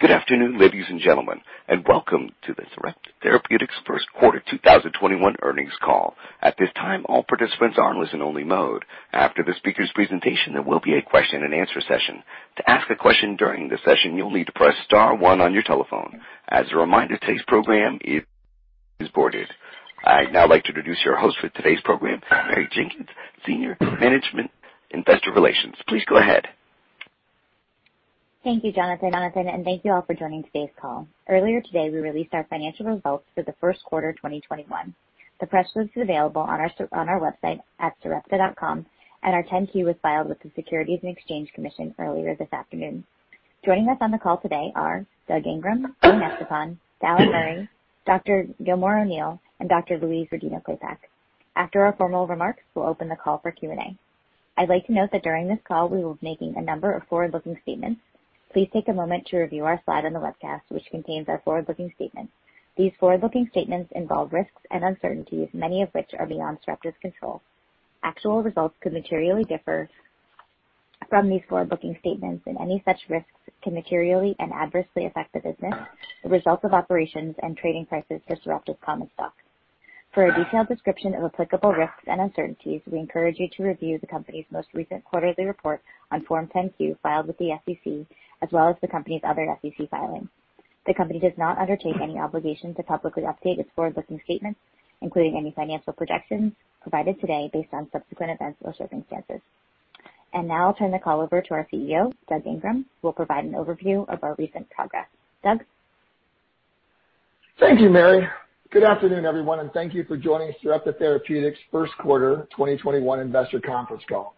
Good afternoon, ladies and gentlemen, and welcome to the Sarepta Therapeutics' first quarter 2021 earnings call. I'd now like to introduce your host for today's program, Mary Jenkins, Senior Management, Investor Relations. Please go ahead. Thank you, Jonathan, and thank you all for joining today's call. Earlier today, we released our financial results for the first quarter of 2021. The press release is available on our website at sarepta.com, and our 10-Q was filed with the Securities and Exchange Commission earlier this afternoon. Joining us on the call today are Doug Ingram, Ian Estepan, Dallan Murray, Dr. Gilmore O'Neill, and Dr. Louise Rodino-Klapac. After our formal remarks, we'll open the call for Q&A. I'd like to note that during this call, we will be making a number of forward-looking statements. Please take a moment to review our slide on the webcast, which contains our forward-looking statement. These forward-looking statements involve risks and uncertainties, many of which are beyond Sarepta's control. Actual results could materially differ from these forward-looking statements, and any such risks can materially and adversely affect the business, the results of operations, and trading prices for Sarepta's common stock. For a detailed description of applicable risks and uncertainties, we encourage you to review the company's most recent quarterly report on Form 10-Q filed with the SEC, as well as the company's other SEC filings. The company does not undertake any obligation to publicly update its forward-looking statements, including any financial projections provided today based on subsequent events or circumstances. Now I'll turn the call over to our CEO, Doug Ingram, who will provide an overview of our recent progress. Doug? Thank you, Mary. Good afternoon, everyone, and thank you for joining Sarepta Therapeutics' first quarter 2021 investor conference call.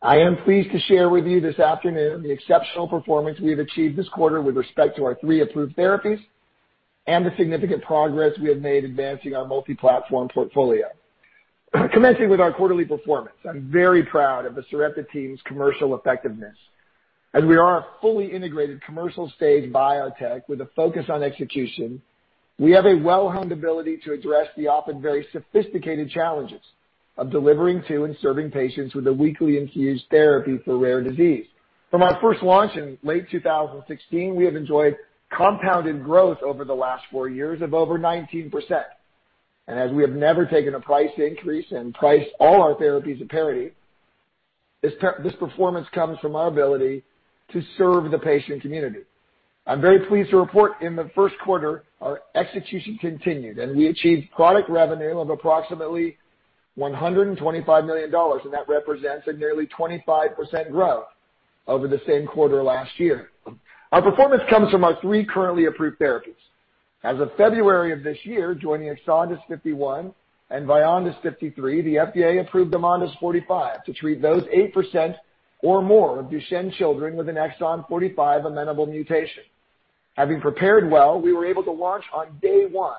I am pleased to share with you this afternoon the exceptional performance we've achieved this quarter with respect to our three approved therapies and the significant progress we have made advancing our multi-platform portfolio. Commencing with our quarterly performance, I am very proud of the Sarepta team's commercial effectiveness. As we are a fully integrated commercial-stage biotech with a focus on execution, we have a well-honed ability to address the often very sophisticated challenges of delivering to and serving patients with a weekly infused therapy for rare disease. From our first launch in late 2016, we have enjoyed compounded growth over the last four years of over 19%. As we have never taken a price increase and priced all our therapies at parity, this performance comes from our ability to serve the patient community. I'm very pleased to report in the first quarter our execution continued, and we achieved product revenue of approximately $125 million, and that represents a nearly 25% growth over the same quarter last year. Our performance comes from our three currently approved therapies. As of February of this year, joining EXONDYS 51 and VYONDYS 53, the FDA approved AMONDYS 45 to treat those 8% or more of Duchenne children with an exon 45 amenable mutation. Having prepared well, we were able to launch on day one,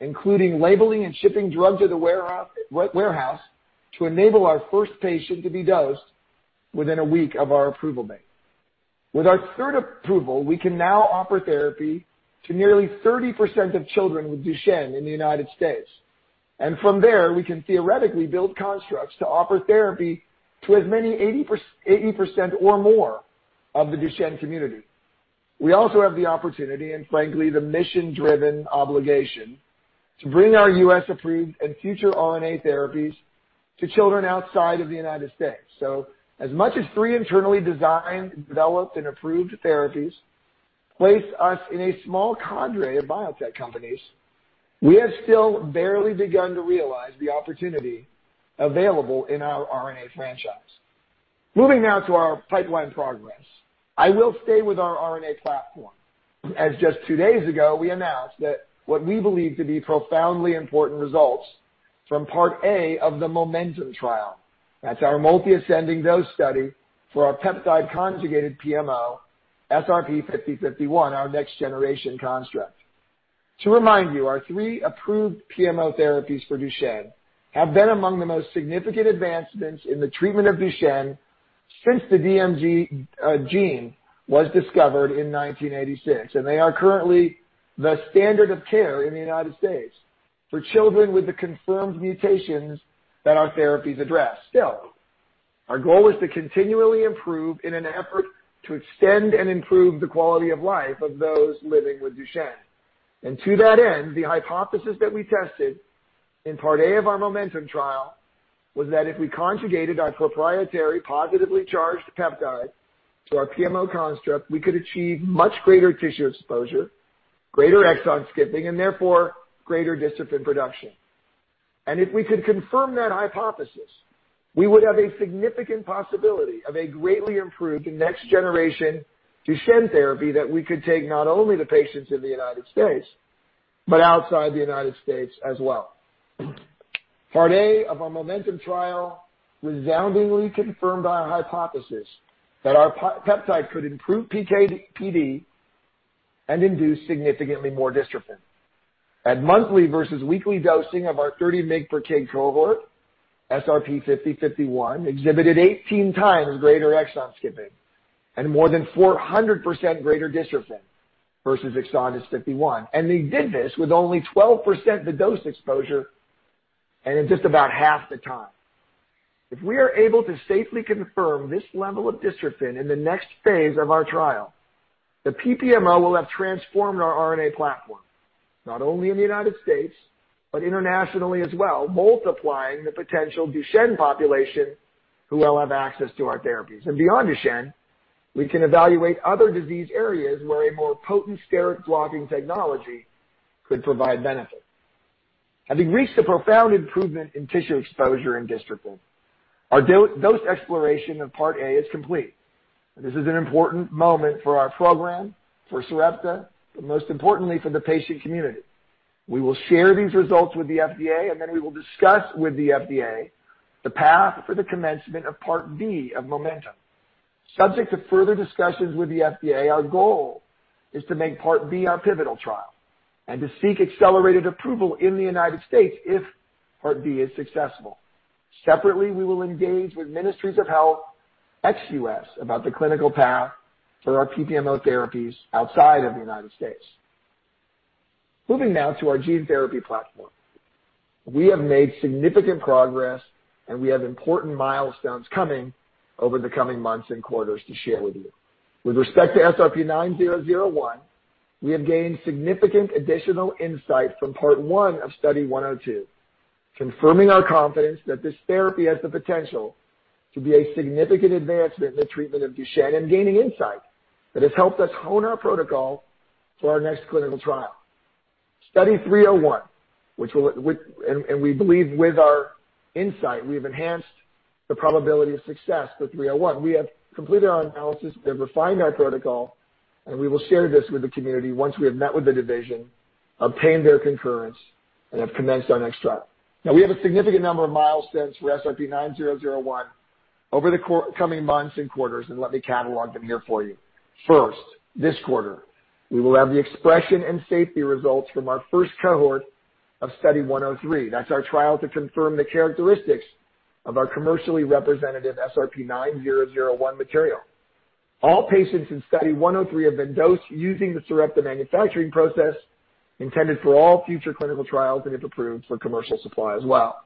including labeling and shipping drugs at the warehouse to enable our first patient to be dosed within a week of our approval date. With our third approval, we can now offer therapy to nearly 30% of children with Duchenne in the U.S. From there, we can theoretically build constructs to offer therapy to as many 80% or more of the Duchenne community. We also have the opportunity, and frankly, the mission-driven obligation to bring our U.S.-approved and future RNA therapies to children outside of the U.S. As much as three internally designed, developed, and approved therapies place us in a small cadre of biotech companies, we have still barely begun to realize the opportunity available in our RNA franchise. Moving now to our pipeline progress. I will stay with our RNA platform, as just two days ago, we announced that what we believe to be profoundly important results from Part A of the MOMENTUM trial. That is our multi-ascending dose study for our peptide conjugated PMO, SRP-5051, our next generation construct. To remind you, our three approved PMO therapies for Duchenne have been among the most significant advancements in the treatment of Duchenne since the DMD gene was discovered in 1986, and they are currently the standard of care in the United States for children with the confirmed mutations that our therapies address. Still, our goal is to continually improve in an effort to extend and improve the quality of life of those living with Duchenne. To that end, the hypothesis that we tested in Part A of our MOMENTUM trial was that if we conjugated our proprietary positively charged peptide to our PMO construct, we could achieve much greater tissue exposure, greater exon skipping, and therefore greater dystrophin production. If we could confirm that hypothesis, we would have a significant possibility of a greatly improved next-generation Duchenne therapy that we could take not only to patients in the United States, but outside the United States as well. Part A of our MOMENTUM trial resoundingly confirmed our hypothesis that our peptide could improve PK/PD and induce significantly more dystrophin. At monthly versus weekly dosing of our 30 mg per kg cohort, SRP-5051 exhibited 18 times greater exon skipping and more than 400% greater dystrophin versus EXONDYS 51. They did this with only 12% the dose exposure and in just about half the time. If we are able to safely confirm this level of dystrophin in the next phase of our trial, the PPMO will have transformed our RNA platform, not only in the United States but internationally as well, multiplying the potential Duchenne population who will have access to our therapies. Beyond Duchenne, we can evaluate other disease areas where a more potent steric blocking technology could provide benefit. Having reached a profound improvement in tissue exposure and dystrophin, our dose exploration of Part A is complete. This is an important moment for our program, for Sarepta, but most importantly, for the patient community. We will share these results with the FDA, and then we will discuss with the FDA the path for the commencement of Part B of MOMENTUM. Subject to further discussions with the FDA, our goal is to make Part B our pivotal trial and to seek accelerated approval in the United States if Part B is successful. Separately, we will engage with ministries of health ex-U.S. about the clinical path for our PPMO therapies outside of the United States. Moving now to our gene therapy platform. We have made significant progress, and we have important milestones coming over the coming months and quarters to share with you. With respect to SRP-9001, we have gained significant additional insight from Part 1 of Study 102, confirming our confidence that this therapy has the potential to be a significant advancement in the treatment of Duchenne and gaining insight that has helped us hone our protocol for our next clinical trial. Study 301. We believe with our insight, we have enhanced the probability of success for 301. We have completed our analysis, we have refined our protocol, and we will share this with the community once we have met with the division, obtained their concurrence, and have commenced our next trial. We have a significant number of milestones for SRP-9001 over the coming months and quarters, and let me catalog them here for you. First, this quarter, we will have the expression and safety results from our first cohort of Study 103. That's our trial to confirm the characteristics of our commercially representative SRP-9001 material. All patients in Study 103 have been dosed using the Sarepta manufacturing process intended for all future clinical trials, and if approved, for commercial supply as well.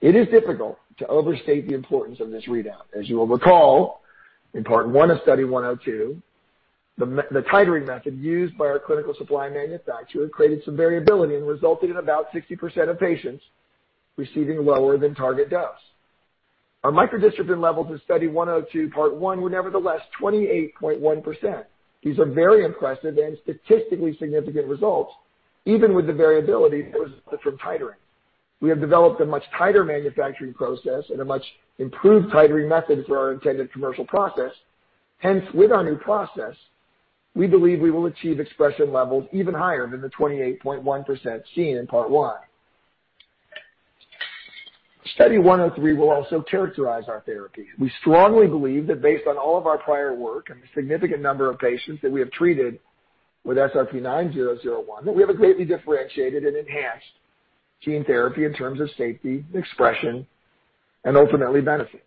It is difficult to overstate the importance of this readout. As you will recall, in Part 1 of Study 102, the titrating method used by our clinical supply manufacturer created some variability and resulted in about 60% of patients receiving lower than target dose. Our microdystrophin levels in Study 102, Part 1 were nevertheless 28.1%. These are very impressive and statistically significant results, even with the variability that was from titrating. We have developed a much tighter manufacturing process and a much improved titrating method for our intended commercial process. Hence, with our new process, we believe we will achieve expression levels even higher than the 28.1% seen in Part 1. Study 103 will also characterize our therapy. We strongly believe that based on all of our prior work and the significant number of patients that we have treated with SRP-9001, that we have a greatly differentiated and enhanced gene therapy in terms of safety, expression, and ultimately benefit.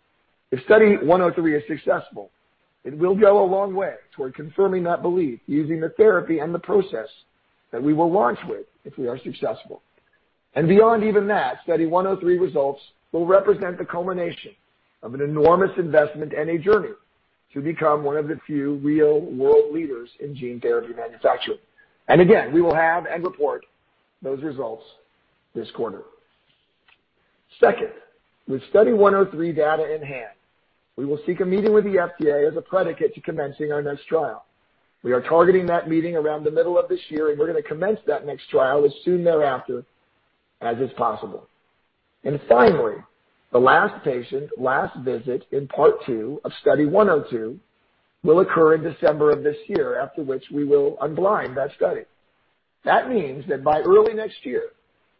If Study 103 is successful, it will go a long way toward confirming that belief using the therapy and the process that we will launch with if we are successful. Beyond even that, Study 103 results will represent the culmination of an enormous investment and a journey to become one of the few real world leaders in gene therapy manufacturing. Again, we will have and report those results this quarter. Second, with Study 103 data in hand, we will seek a meeting with the FDA as a predicate to commencing our next trial. We are targeting that meeting around the middle of this year, and we're going to commence that next trial as soon thereafter as is possible. Finally, the last patient, last visit in part two of Study 102 will occur in December of this year, after which we will unblind that study. That means that by early next year,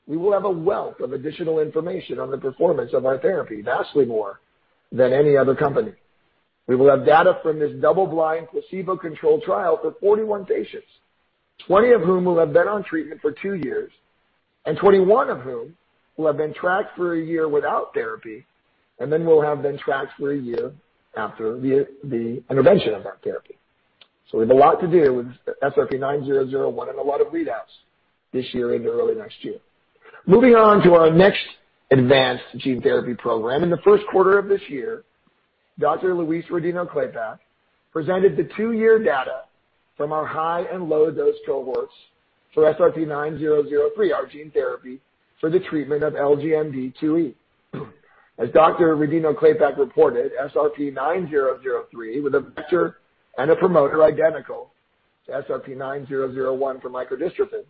we will have a wealth of additional information on the performance of our therapy, vastly more than any other company. We will have data from this double-blind, placebo-controlled trial for 41 patients, 20 of whom will have been on treatment for two years, and 21 of whom will have been tracked for a year without therapy, and then will have been tracked for a year after the intervention of our therapy. We have a lot to do with SRP-9001 and a lot of readouts this year into early next year. Moving on to our next advanced gene therapy program. In the first quarter of this year, Dr. Louise Rodino-Klapac presented the two-year data from our high and low dose cohorts for SRP-9003, our gene therapy for the treatment of LGMD2E. As Dr. Rodino-Klapac reported, SRP-9003, with a vector and a promoter identical to SRP-9001 for microdystrophin,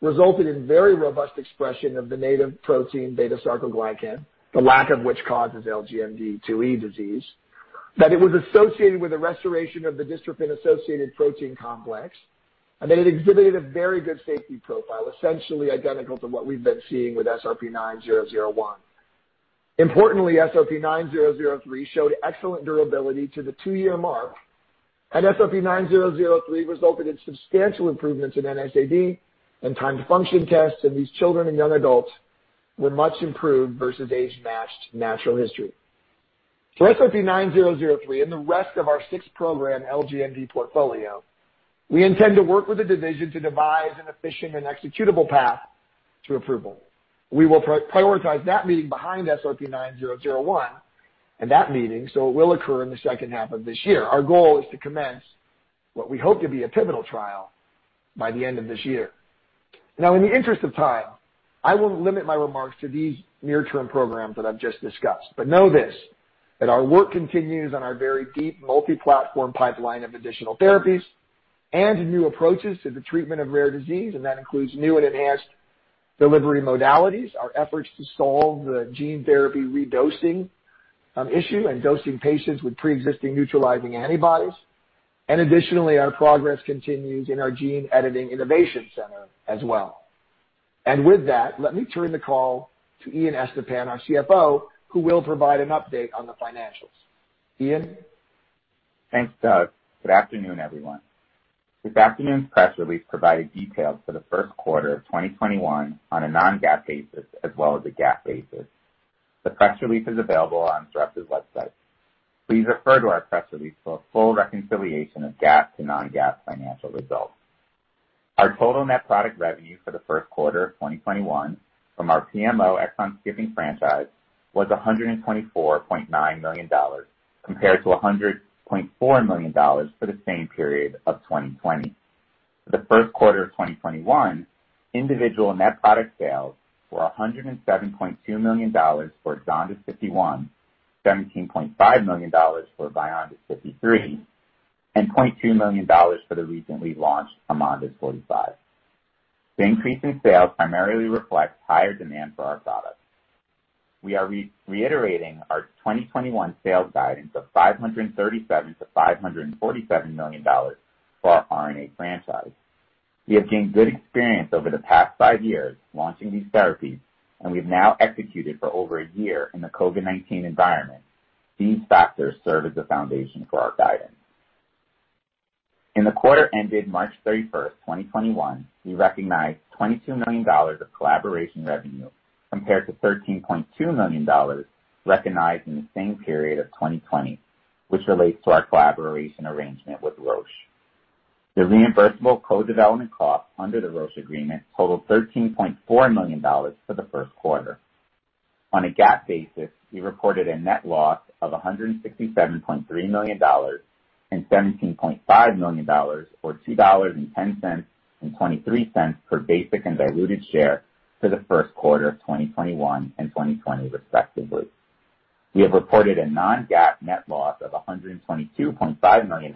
resulted in very robust expression of the native protein beta-sarcoglycan, the lack of which causes LGMD2E disease, that it was associated with a restoration of the dystrophin-associated protein complex, and that it exhibited a very good safety profile, essentially identical to what we've been seeing with SRP-9001. Importantly, SRP-9003 showed excellent durability to the two-year mark, and SRP-9003 resulted in substantial improvements in NSAD and timed function tests in these children and young adults, were much improved versus age-matched natural history. SRP-9003 and the rest of our six-program LGMD portfolio, we intend to work with the division to devise an efficient and executable path to approval. We will prioritize that meeting behind SRP-9001 and that meeting, so it will occur in the second half of this year. Our goal is to commence what we hope to be a pivotal trial by the end of this year. Now, in the interest of time, I will limit my remarks to these near-term programs that I've just discussed. Know this, that our work continues on our very deep multi-platform pipeline of additional therapies and new approaches to the treatment of rare disease, and that includes new and enhanced delivery modalities, our efforts to solve the gene therapy redosing issue and dosing patients with preexisting neutralizing antibodies. Additionally, our progress continues in our gene editing innovation center as well. With that, let me turn the call to Ian Estepan, our CFO, who will provide an update on the financials. Ian? Thanks, Doug. Good afternoon, everyone. This afternoon's press release provided details for the first quarter of 2021 on a Non-GAAP basis as well as a GAAP basis. The press release is available on sarepta.com. Please refer to our press release for a full reconciliation of GAAP to Non-GAAP financial results. Our total net product revenue for the first quarter of 2021 from our PMO exon skipping franchise was $124.9 million, compared to $100.4 million for the same period of 2020. For the first quarter of 2021, individual net product sales were $107.2 million for EXONDYS 51, $17.5 million for VYONDYS 53, and $22 million for the recently launched AMONDYS 45. The increase in sales primarily reflects higher demand for our products. We are reiterating our 2021 sales guidance of $537 million-$547 million for our RNA franchise. We have gained good experience over the past five years launching these therapies, and we've now executed for over a year in the COVID-19 environment. These factors serve as the foundation for our guidance. In the quarter ended March 31st, 2021, we recognized $22 million of collaboration revenue compared to $13.2 million recognized in the same period of 2020, which relates to our collaboration arrangement with Roche. The reimbursable co-development cost under the Roche agreement totaled $13.4 million for the first quarter. On a GAAP basis, we reported a net loss of $167.3 million and $17.5 million, or $2.10 and $0.23 per basic and diluted share for the first quarter of 2021 and 2020 respectively. We have reported a Non-GAAP net loss of $122.5 million,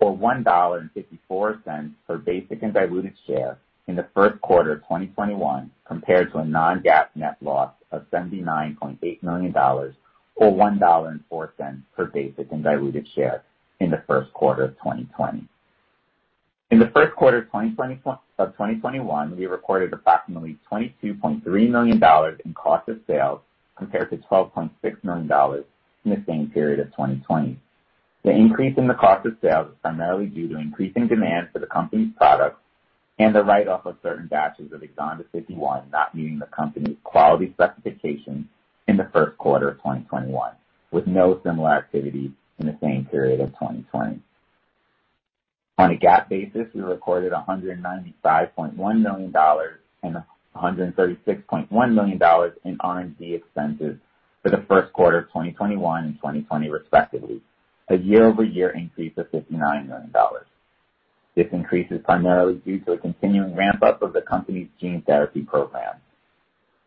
or $1.54 per basic and diluted share in the first quarter of 2021, compared to a Non-GAAP net loss of $79.8 million or $1.04 per basic and diluted share in the first quarter of 2020. In the first quarter of 2021, we recorded approximately $22.3 million in cost of sales, compared to $12.6 million in the same period of 2020. The increase in the cost of sales is primarily due to increasing demand for the company's products and the write-off of certain batches of EXONDYS 51 not meeting the company's quality specifications in the first quarter of 2021, with no similar activity in the same period of 2020. On a GAAP basis, we recorded $195.1 million and $136.1 million in R&D expenses for the first quarter of 2021 and 2020, respectively, a year-over-year increase of $59 million. This increase is primarily due to a continuing ramp-up of the company's gene therapy program.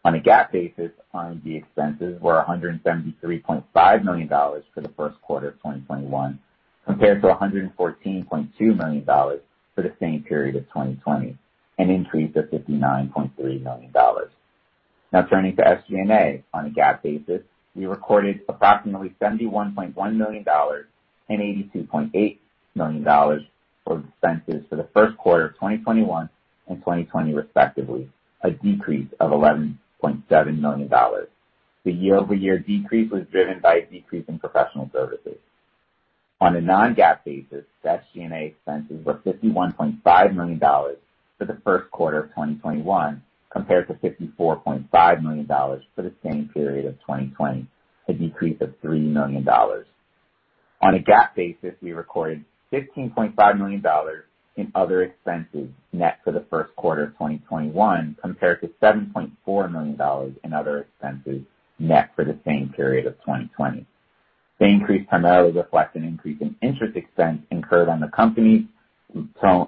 On a GAAP basis, R&D expenses were $173.5 million for the first quarter of 2021 compared to $114.2 million for the same period of 2020, an increase of $59.3 million. Turning to SG&A. On a GAAP basis, we recorded approximately $71.1 million and $82.8 million for expenses for the first quarter of 2021 and 2020, respectively, a decrease of $11.7 million. The year-over-year decrease was driven by a decrease in professional services. On a Non-GAAP basis, SG&A expenses were $51.5 million for the first quarter of 2021, compared to $54.5 million for the same period of 2020, a decrease of $3 million. On a GAAP basis, we recorded $15.5 million in other expenses net for the first quarter of 2021, compared to $7.4 million in other expenses net for the same period of 2020. The increase primarily reflects an increase in interest expense incurred on the company's term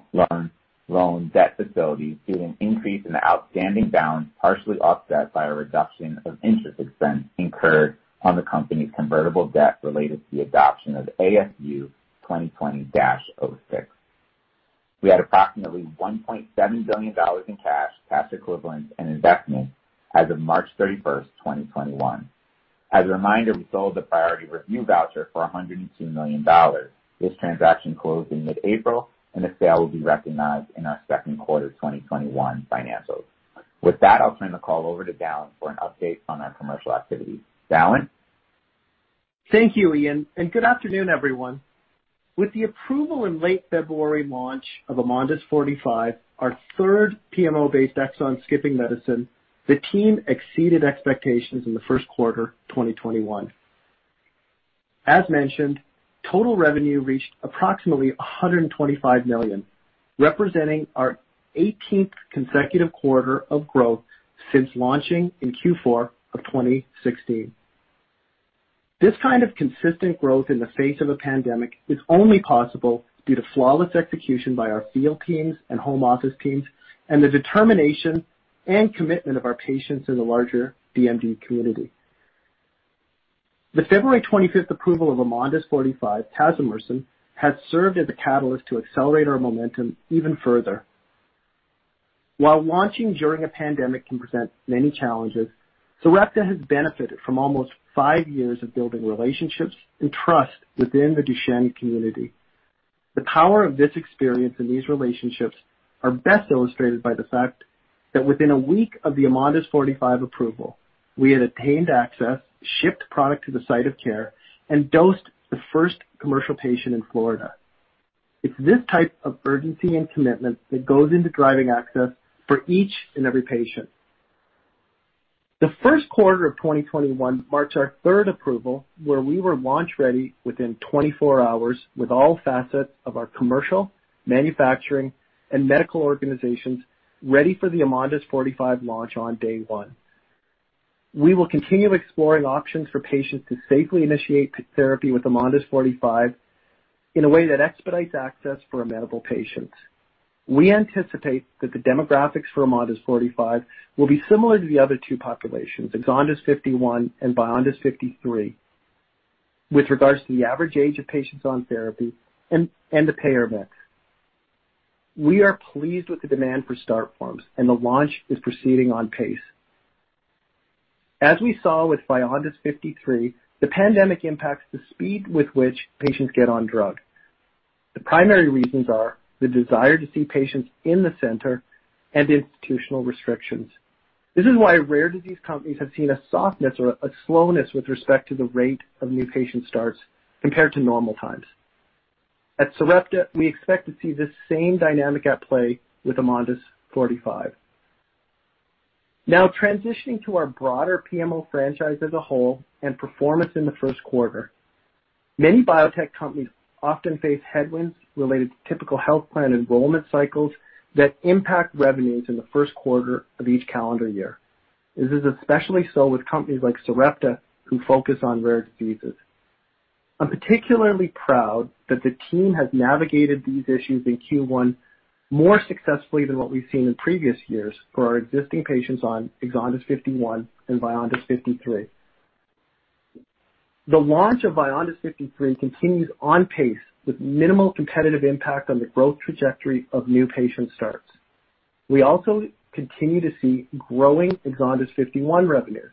loan debt facility due to an increase in the outstanding balance, partially offset by a reduction of interest expense incurred on the company's convertible debt related to the adoption of ASU 2020-06. We had approximately $1.7 billion in cash equivalents, and investments as of March 31st, 2021. As a reminder, we sold the priority review voucher for $102 million. This transaction closed in mid-April, and the sale will be recognized in our second quarter 2021 financials. With that, I'll turn the call over to Dallan for an update on our commercial activities. Dallan? Thank you, Ian. Good afternoon, everyone. With the approval in late February launch of AMONDYS 45, our third PMO-based exon-skipping medicine, the team exceeded expectations in the first quarter 2021. As mentioned, total revenue reached approximately $125 million, representing our 18th consecutive quarter of growth since launching in Q4 of 2016. This kind of consistent growth in the face of a pandemic is only possible due to flawless execution by our field teams and home office teams, and the determination and commitment of our patients in the larger DMD community. The February 25th approval of AMONDYS 45, casimersen, has served as a catalyst to accelerate our momentum even further. While launching during a pandemic can present many challenges, Sarepta has benefited from almost five years of building relationships and trust within the Duchenne community. The power of this experience and these relationships are best illustrated by the fact that within a week of the AMONDYS 45 approval, we had attained access, shipped product to the site of care, and dosed the first commercial patient in Florida. It's this type of urgency and commitment that goes into driving access for each and every patient. The first quarter of 2021 marks our third approval, where we were launch-ready within 24 hours with all facets of our commercial, manufacturing, and medical organizations ready for the AMONDYS 45 launch on day one. We will continue exploring options for patients to safely initiate therapy with AMONDYS 45 in a way that expedites access for amenable patients. We anticipate that the demographics for AMONDYS 45 will be similar to the other two populations, EXONDYS 51 and VYONDYS 53, with regards to the average age of patients on therapy and the payer mix. We are pleased with the demand for start forms and the launch is proceeding on pace. As we saw with VYONDYS 53, the pandemic impacts the speed with which patients get on drug. The primary reasons are the desire to see patients in the center and institutional restrictions. This is why rare disease companies have seen a softness or a slowness with respect to the rate of new patient starts compared to normal times. At Sarepta, we expect to see this same dynamic at play with AMONDYS 45. Now transitioning to our broader PMO franchise as a whole and performance in the first quarter. Many biotech companies often face headwinds related to typical health plan enrollment cycles that impact revenues in the first quarter of each calendar year. This is especially so with companies like Sarepta, who focus on rare diseases. I'm particularly proud that the team has navigated these issues in Q1 more successfully than what we've seen in previous years for our existing patients on EXONDYS 51 and VYONDYS 53. The launch of VYONDYS 53 continues on pace with minimal competitive impact on the growth trajectory of new patient starts. We also continue to see growing EXONDYS 51 revenues.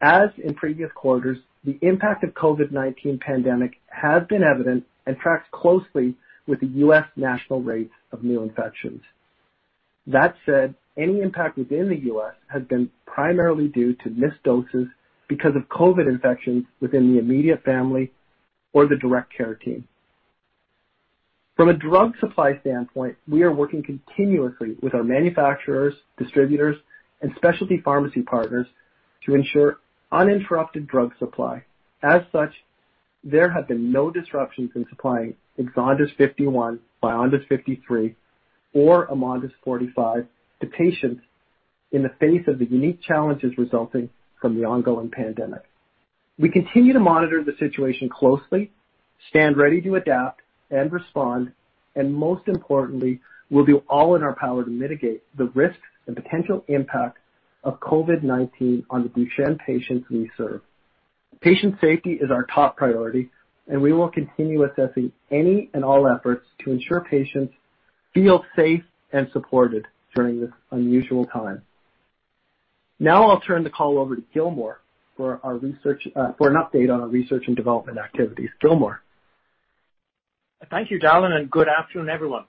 As in previous quarters, the impact of COVID-19 pandemic has been evident and tracks closely with the U.S. national rates of new infections. That said, any impact within the U.S. has been primarily due to missed doses because of COVID infections within the immediate family or the direct care team. From a drug supply standpoint, we are working continuously with our manufacturers, distributors, and specialty pharmacy partners to ensure uninterrupted drug supply. As such, there have been no disruptions in supplying EXONDYS 51, VYONDYS 53, or AMONDYS 45 to patients in the face of the unique challenges resulting from the ongoing pandemic. We continue to monitor the situation closely, stand ready to adapt and respond, and most importantly, we'll do all in our power to mitigate the risks and potential impact of COVID-19 on the Duchenne patients we serve. Patient safety is our top priority, and we will continue assessing any and all efforts to ensure patients feel safe and supported during this unusual time. Now I'll turn the call over to Gilmore for an update on our research and development activities. Gilmore? Thank you, Dallan, and good afternoon, everyone.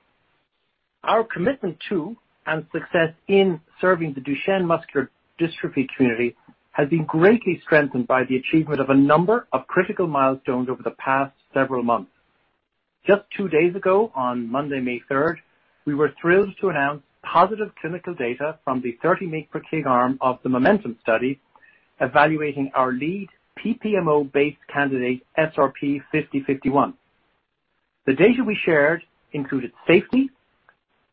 Our commitment to and success in serving the Duchenne muscular dystrophy community has been greatly strengthened by the achievement of a number of critical milestones over the past several months. Just two days ago, on Monday, May 3rd, we were thrilled to announce positive clinical data from the 30 mg per kg arm of the MOMENTUM study evaluating our lead PPMO-based candidate, SRP-5051. The data we shared included safety,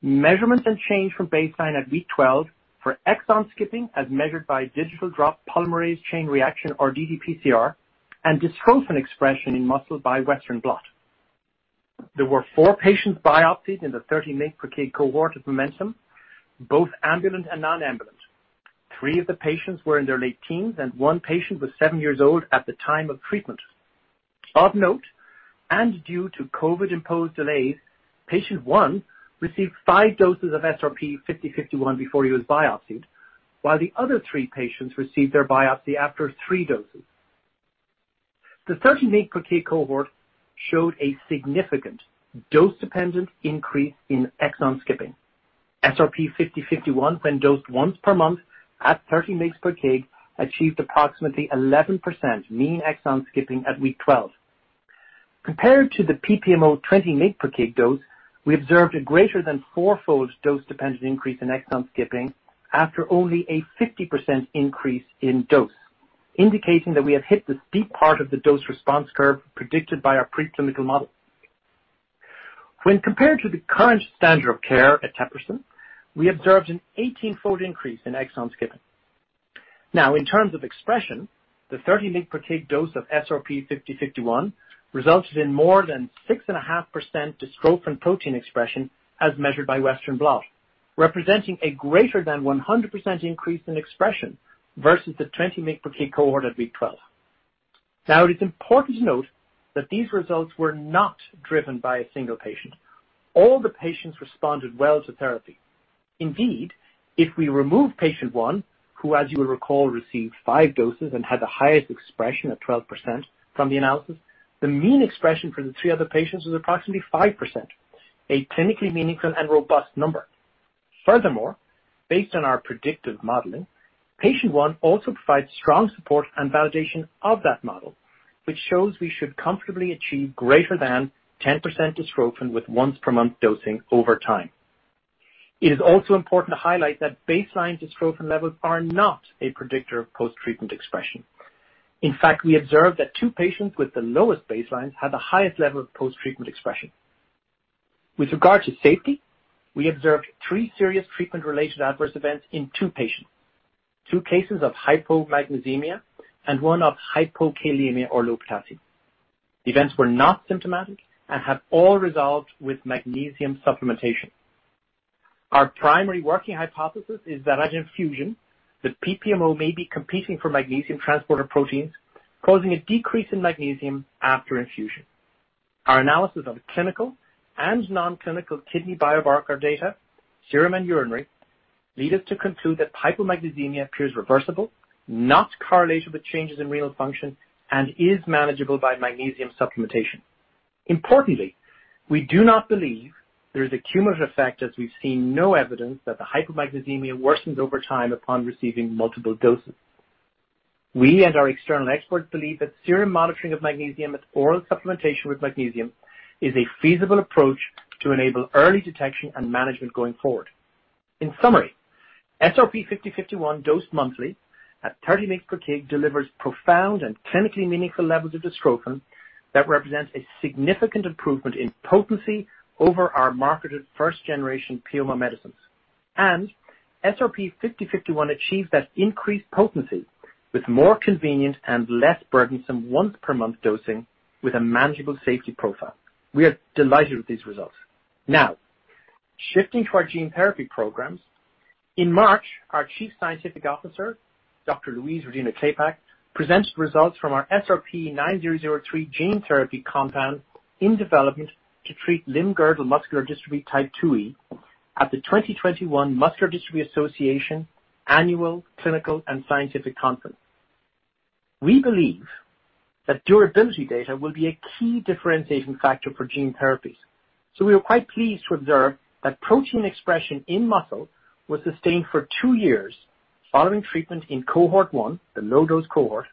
measurement and change from baseline at week 12 for exon skipping as measured by digital droplet polymerase chain reaction or ddPCR, and dystrophin expression in muscle by Western blot. There were four patients biopsied in the 30 mg per kg cohort of MOMENTUM, both ambulant and non-ambulant. Three of the patients were in their late teens, and one patient was seven years old at the time of treatment. Of note, and due to COVID-imposed delays, patient one received five doses of SRP-5051 before he was biopsied, while the other three patients received their biopsy after three doses. The 30 mg/kg cohort showed a significant dose-dependent increase in exon skipping. SRP-5051 when dosed once per month at 30 mg/kg, achieved approximately 11% mean exon skipping at week 12. Compared to the PPMO 20 mg/kg dose, we observed a greater than four-fold dose-dependent increase in exon skipping after only a 50% increase in dose, indicating that we have hit the steep part of the dose response curve predicted by our preclinical model. Compared to the current standard of care at eteplirsen, we observed an 18-fold increase in exon skipping. Now, in terms of expression, the 30 mg per kg dose of SRP-5051 resulted in more than 6.5% dystrophin protein expression as measured by Western blot, representing a greater than 100% increase in expression versus the 20 mg per kg cohort at week 12. Now, it is important to note that these results were not driven by a single patient. All the patients responded well to therapy. Indeed, if we remove patient one, who, as you will recall, received five doses and had the highest expression at 12% from the analysis, the mean expression for the three other patients was approximately 5%, a clinically meaningful and robust number. Furthermore, based on our predictive modeling, patient one also provides strong support and validation of that model, which shows we should comfortably achieve greater than 10% dystrophin with once per month dosing over time. It is also important to highlight that baseline dystrophin levels are not a predictor of post-treatment expression. In fact, we observed that two patients with the lowest baselines had the highest level of post-treatment expression. With regard to safety, we observed three serious treatment-related adverse events in two patients, two cases of hypomagnesemia, and one of hypokalemia or low potassium. The events were not symptomatic and have all resolved with magnesium supplementation. Our primary working hypothesis is that at infusion, the PPMO may be competing for magnesium transporter proteins, causing a decrease in magnesium after infusion. Our analysis of clinical and non-clinical kidney biomarker data, serum and urinary, lead us to conclude that hypomagnesemia appears reversible, not correlated with changes in renal function, and is manageable by magnesium supplementation. We do not believe there is a cumulative effect as we've seen no evidence that the hypomagnesemia worsens over time upon receiving multiple doses. We and our external experts believe that serum monitoring of magnesium with oral supplementation with magnesium is a feasible approach to enable early detection and management going forward. SRP-5051 dosed monthly at 30 mgs per kg delivers profound and clinically meaningful levels of dystrophin that represent a significant improvement in potency over our marketed first-generation PMO medicines. SRP-5051 achieved that increased potency with more convenient and less burdensome once per month dosing with a manageable safety profile. We are delighted with these results. Shifting to our gene therapy programs. In March, our Chief Scientific Officer, Dr. Louise Rodino-Klapac, presented results from our SRP-9003 gene therapy compound in development to treat limb-girdle muscular dystrophy type 2E at the 2021 Muscular Dystrophy Association Annual Clinical and Scientific Conference. We believe that durability data will be a key differentiation factor for gene therapies. We were quite pleased to observe that protein expression in muscle was sustained for two years following treatment in Cohort 1, the low-dose cohort,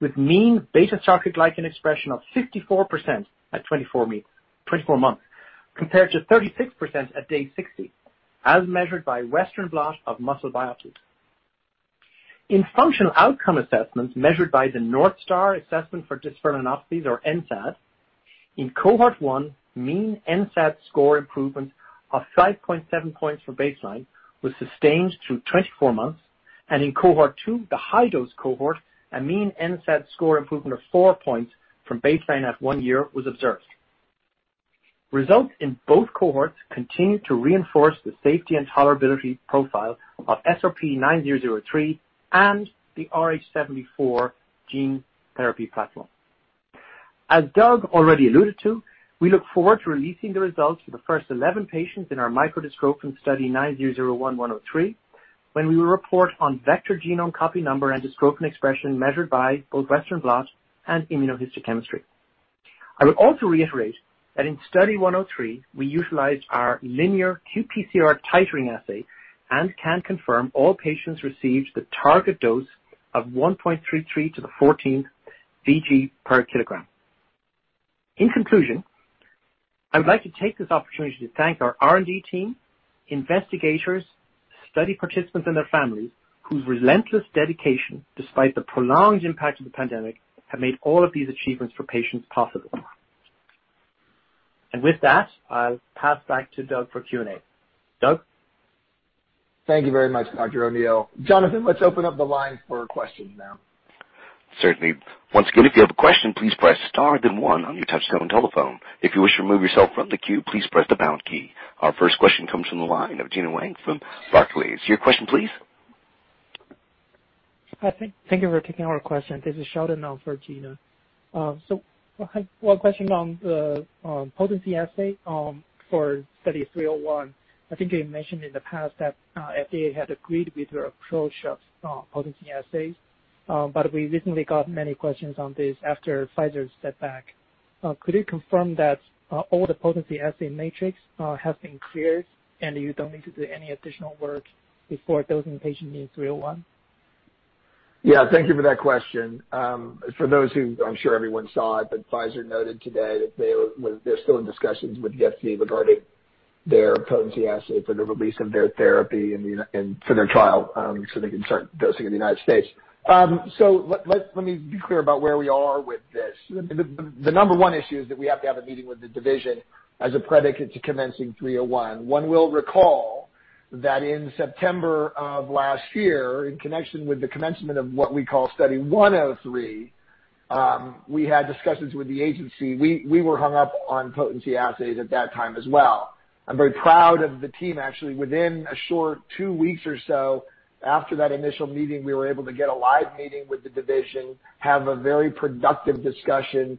with mean beta-sarcoglycan expression of 54% at 24 months, compared to 36% at day 60, as measured by Western blot of muscle biopsies. In functional outcome assessments measured by the North Star Assessment for Dystrophinopathies or NSAD, in Cohort 1, mean NSAD score improvement of 5.7 points for baseline was sustained through 24 months, and in Cohort 2, the high-dose cohort, a mean NSAD score improvement of four points from baseline at one year was observed. Results in both cohorts continue to reinforce the safety and tolerability profile of SRP-9003 and the RH74 gene therapy platform. As Doug already alluded to, we look forward to releasing the results for the first 11 patients in our microdystrophin Study 9001-103, when we will report on vector genome copy number and dystrophin expression measured by both Western blot and immunohistochemistry. I would also reiterate that in Study 103, we utilized our linear qPCR titering assay and can confirm all patients received the target dose of 1.37 to the 14th vg/kg. In conclusion, I would like to take this opportunity to thank our R&D team, investigators, study participants and their families whose relentless dedication, despite the prolonged impact of the pandemic, have made all of these achievements for patients possible. With that, I'll pass back to Doug for Q&A. Doug? Thank you very much, Dr O'Neill. Jonathan, let's open up the line for questions now. Our first question comes from the line of Gena Wang from Barclays. Your question, please. Hi, thank you for taking our question. This is Sheldon for Gena. I have one question on the potency assay for Study 301. I think you mentioned in the past that FDA had agreed with your approach of potency assays, but we recently got many questions on this after Pfizer's setback. Could you confirm that all the potency assay matrix has been cleared, and you don't need to do any additional work before dosing patient in Study 301? Yeah, thank you for that question. For those who, I'm sure everyone saw it, Pfizer noted today that they're still in discussions with the FDA regarding their potency assay for the release of their therapy for their trial, they can start dosing in the U.S. Let me be clear about where we are with this. The number one issue is that we have to have a meeting with the division as a predicate to commencing 301. One will recall that in September of last year, in connection with the commencement of what we call Study 103, we had discussions with the agency. We were hung up on potency assays at that time as well. I'm very proud of the team. Actually, within a short two weeks or so after that initial meeting, we were able to get a live meeting with the division, have a very productive discussion,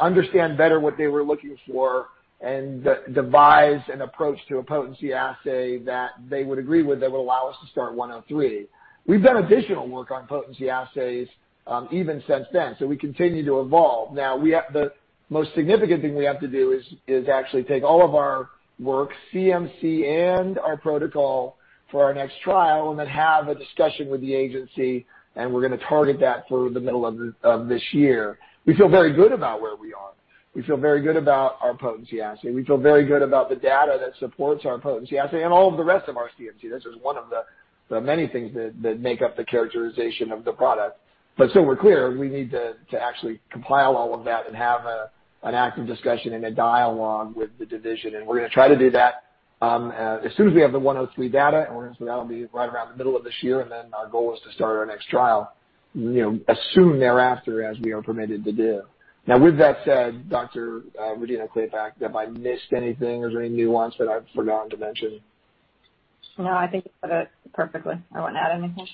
understand better what they were looking for, and devise an approach to a potency assay that they would agree with that would allow us to start 103. We've done additional work on potency assays, even since then. We continue to evolve. Now, the most significant thing we have to do is actually take all of our work, CMC and our protocol for our next trial, and then have a discussion with the agency, and we're going to target that for the middle of this year. We feel very good about where we are. We feel very good about our potency assay. We feel very good about the data that supports our potency assay and all of the rest of our CMC. This is one of the many things that make up the characterization of the product. So we're clear, we need to actually compile all of that and have an active discussion and a dialogue with the division. We're going to try to do that as soon as we have the 103 data, and that'll be right around the middle of this year, and then our goal is to start our next trial as soon thereafter as we are permitted to do. Now, with that said, Dr. Louise Rodino-Klapac, have I missed anything? Is there any nuance that I've forgotten to mention? No, I think you said it perfectly. I wouldn't add anything.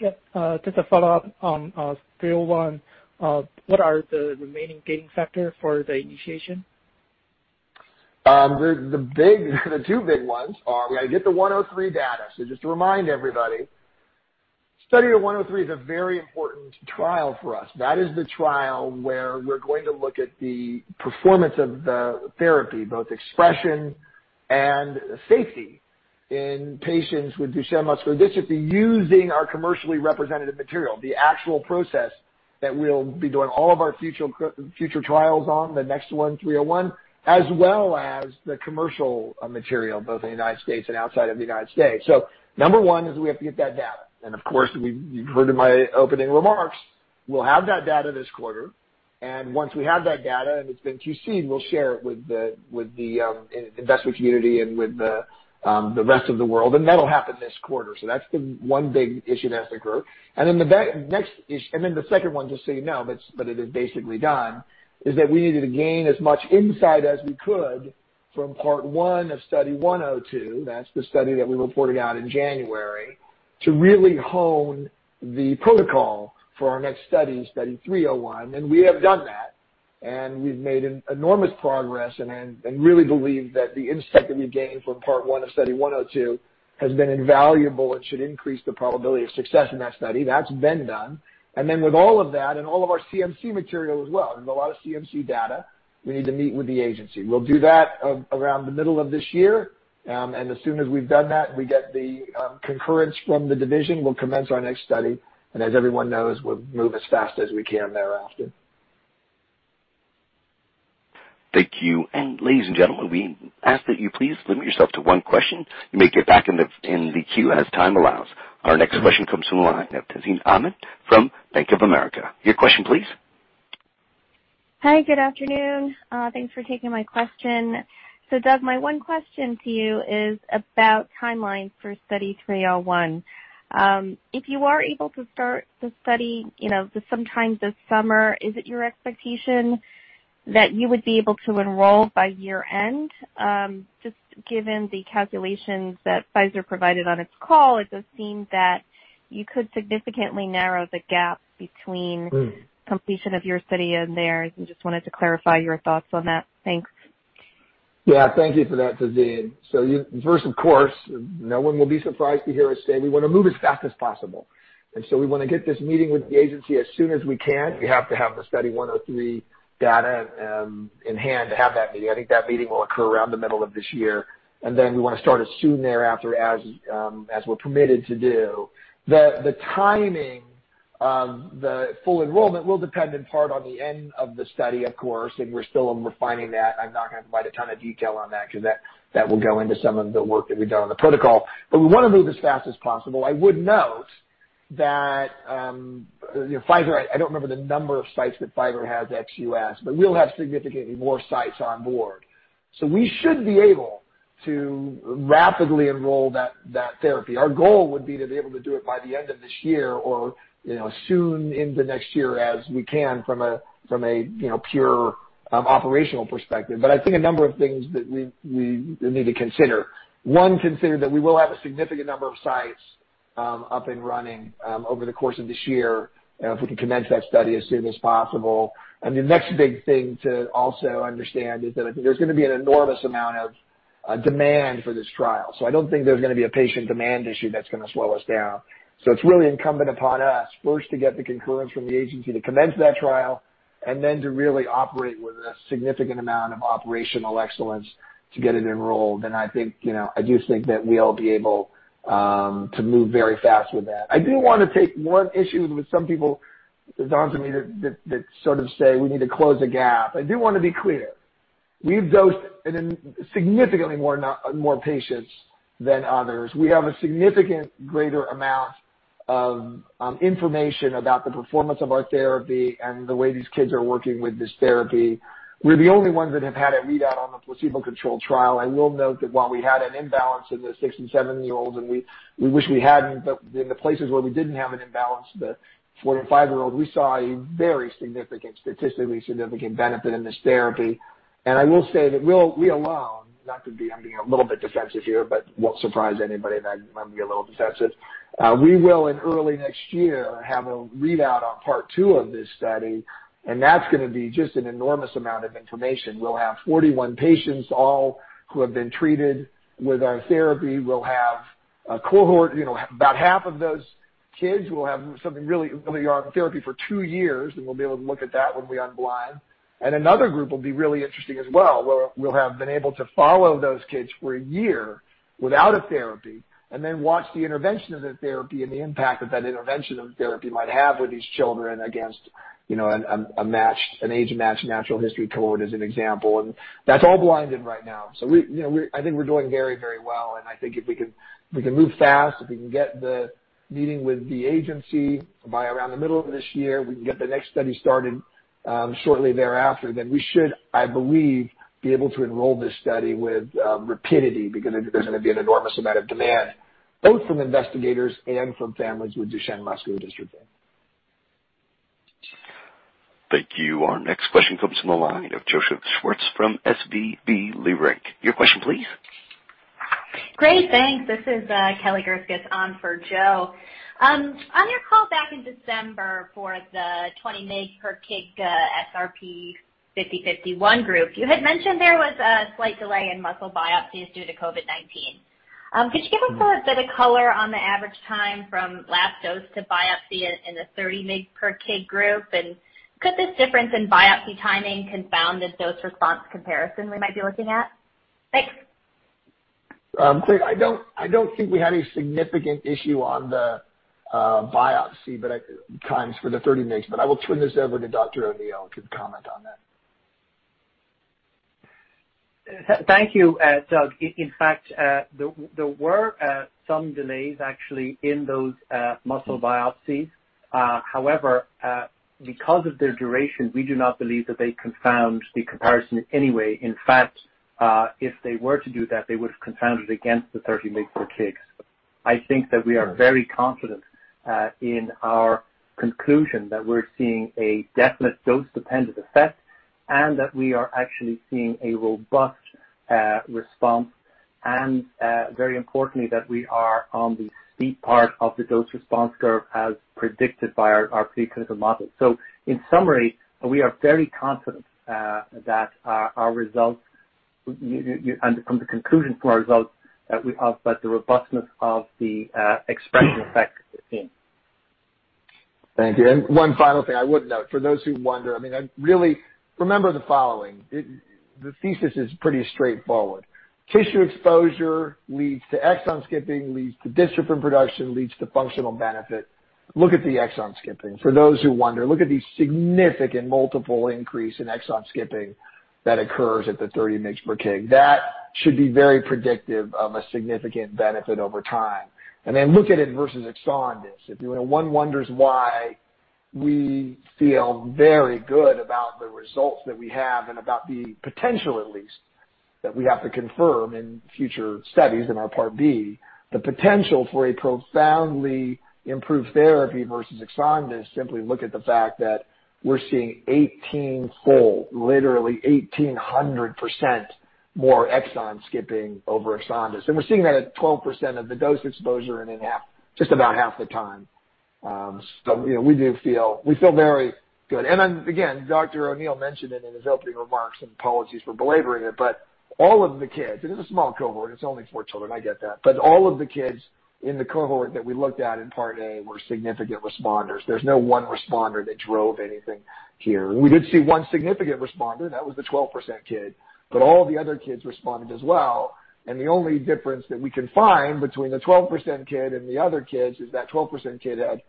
Yep. Just a follow-up on 301. What are the remaining gating factor for the initiation? The two big ones are we got to get the 103 data. Just to remind everybody, Study 103 is a very important trial for us. That is the trial where we're going to look at the performance of the therapy, both expression and safety in patients with Duchenne muscular dystrophy using our commercially representative material, the actual process that we'll be doing all of our future trials on, the next one, 301, as well as the commercial material, both in the United States and outside of the United States. Number 1 is we have to get that data. Of course, you've heard in my opening remarks, we'll have that data this quarter, and once we have that data and it's been QC'd, we'll share it with the investor community and with the rest of the world. That'll happen this quarter. That's the one big issue that has to occur. The second one, just so you know, but it is basically done, is that we needed to gain as much insight as we could from part one of Study 102, that's the study that we reported out in January, to really hone the protocol for our next study, Study 301. We have done that, and we've made enormous progress and really believe that the insight that we gained from part one of Study 102 has been invaluable and should increase the probability of success in that study. That's been done. With all of that and all of our CMC material as well, there's a lot of CMC data, we need to meet with the agency. We'll do that around the middle of this year, and as soon as we've done that and we get the concurrence from the division, we'll commence our next study. As everyone knows, we'll move as fast as we can thereafter. Thank you. Ladies and gentlemen, we ask that you please limit yourself to one question. You may get back in the queue as time allows. Our next question comes from the line of Tazeen Ahmad from Bank of America. Your question please. Hi, good afternoon. Thanks for taking my question. Doug, my one question to you is about timelines for Study 301. If you are able to start the study sometime this summer, is it your expectation that you would be able to enroll by year-end? Just given the calculations that Pfizer provided on its call, it does seem that you could significantly narrow the gap between completion of your study and theirs. I just wanted to clarify your thoughts on that. Thanks. Thank you for that, Tazeen. First, of course, no one will be surprised to hear us say we want to move as fast as possible. We want to get this meeting with the agency as soon as we can. We have to have the Study 103 data in hand to have that meeting. I think that meeting will occur around the middle of this year, then we want to start as soon thereafter as we're permitted to do. The timing of the full enrollment will depend in part on the end of the study, of course, we're still refining that. I'm not going to provide a ton of detail on that because that will go into some of the work that we've done on the protocol. We want to move as fast as possible. I would note that Pfizer, I don't remember the number of sites that Pfizer has ex-U.S., but we'll have significantly more sites on board. We should be able to rapidly enroll that therapy. Our goal would be to be able to do it by the end of this year or soon into next year as we can from a pure operational perspective. I think a number of things that we need to consider. One, consider that we will have a significant number of sites up and running over the course of this year if we can commence that study as soon as possible. The next big thing to also understand is that I think there's going to be an enormous amount of demand for this trial. I don't think there's going to be a patient demand issue that's going to slow us down. It's really incumbent upon us, first, to get the concurrence from the agency to commence that trial, and then to really operate with a significant amount of operational excellence to get it enrolled. I do think that we'll be able to move very fast with that. I do want to take one issue with some people, it dawns on me, that sort of say we need to close a gap. I do want to be clear. We've dosed in significantly more patients than others. We have a significant greater amount of information about the performance of our therapy and the way these kids are working with this therapy. We're the only ones that have had a readout on the placebo-controlled trial. I will note that while we had an imbalance in the 6-year-olds and 7-year-olds, and we wish we hadn't, but in the places where we didn't have an imbalance, the 4 -year-olds-to-5-year-old, we saw a very statistically significant benefit in this therapy. I will say that we alone, I'm being a little bit defensive here, but it won't surprise anybody that I'm being a little defensive. We will, in early next year, have a readout on part 2 of this study, and that's going to be just an enormous amount of information. We'll have 41 patients, all who have been treated with our therapy. We'll have a cohort, about half of those kids will have something really on therapy for 2 years, and we'll be able to look at that when we unblind. Another group will be really interesting as well, where we'll have been able to follow those kids for a year without a therapy and then watch the intervention of the therapy and the impact that that intervention of therapy might have with these children against an age-matched natural history cohort, as an example. That's all blinded right now. I think we're doing very well, and I think if we can move fast, if we can get the meeting with the agency by around the middle of this year, we can get the next study started shortly thereafter, then we should, I believe, be able to enroll this study with rapidity because there's going to be an enormous amount of demand, both from investigators and from families with Duchenne muscular dystrophy. Thank you. Our next question comes from the line of Joseph Schwartz from SVB Leerink. Your question, please. Great. Thanks. This is Kelly Gursky on for Joe. On your call back in December for the 20 mg per kg SRP-5051 group, you had mentioned there was a slight delay in muscle biopsies due to COVID-19. Could you give us a bit of color on the average time from last dose to biopsy in the 30 mg per kg group? Could this difference in biopsy timing confound the dose response comparison we might be looking at? Thanks. I don't think we had a significant issue on the biopsy times for the 30 mgs. I will turn this over to Dr. O'Neill, who can comment on that. Thank you, Doug. There were some delays, actually, in those muscle biopsies. Because of their duration, we do not believe that they confound the comparison in any way. If they were to do that, they would have confounded against the 30 mg per kg. I think that we are very confident in our conclusion that we're seeing a definite dose-dependent effect and that we are actually seeing a robust response, and very importantly, that we are on the steep part of the dose response curve as predicted by our preclinical model. In summary, we are very confident that our results and the conclusion for our results about the robustness of the expression effect we're seeing. Thank you. One final thing I would note, for those who wonder, remember the following. The thesis is pretty straightforward. Tissue exposure leads to exon skipping, leads to dystrophin production, leads to functional benefit. Look at the exon skipping. For those who wonder, look at the significant multiple increase in exon skipping that occurs at the 30 mgs per kg. That should be very predictive of a significant benefit over time. Then look at it versus Exondys. If one wonders why we feel very good about the results that we have and about the potential, at least, that we have to confirm in future studies in our part B, the potential for a profoundly improved therapy versus Exondys, simply look at the fact that we're seeing 18 whole, literally 1,800% more exon skipping over Exondys. We're seeing that at 12% of the dose exposure and in just about half the time. We feel very good. Again, Dr. O'Neill mentioned it in his opening remarks, and apologies for belaboring it, but all of the kids, it is a small cohort. It's only four children, I get that, but all of the kids in the cohort that we looked at in part A were significant responders. There's no one responder that drove anything here. We did see one significant responder, that was the 12% kid, but all the other kids responded as well, and the only difference that we can find between the 12% kid and the other kids is that 12% kid had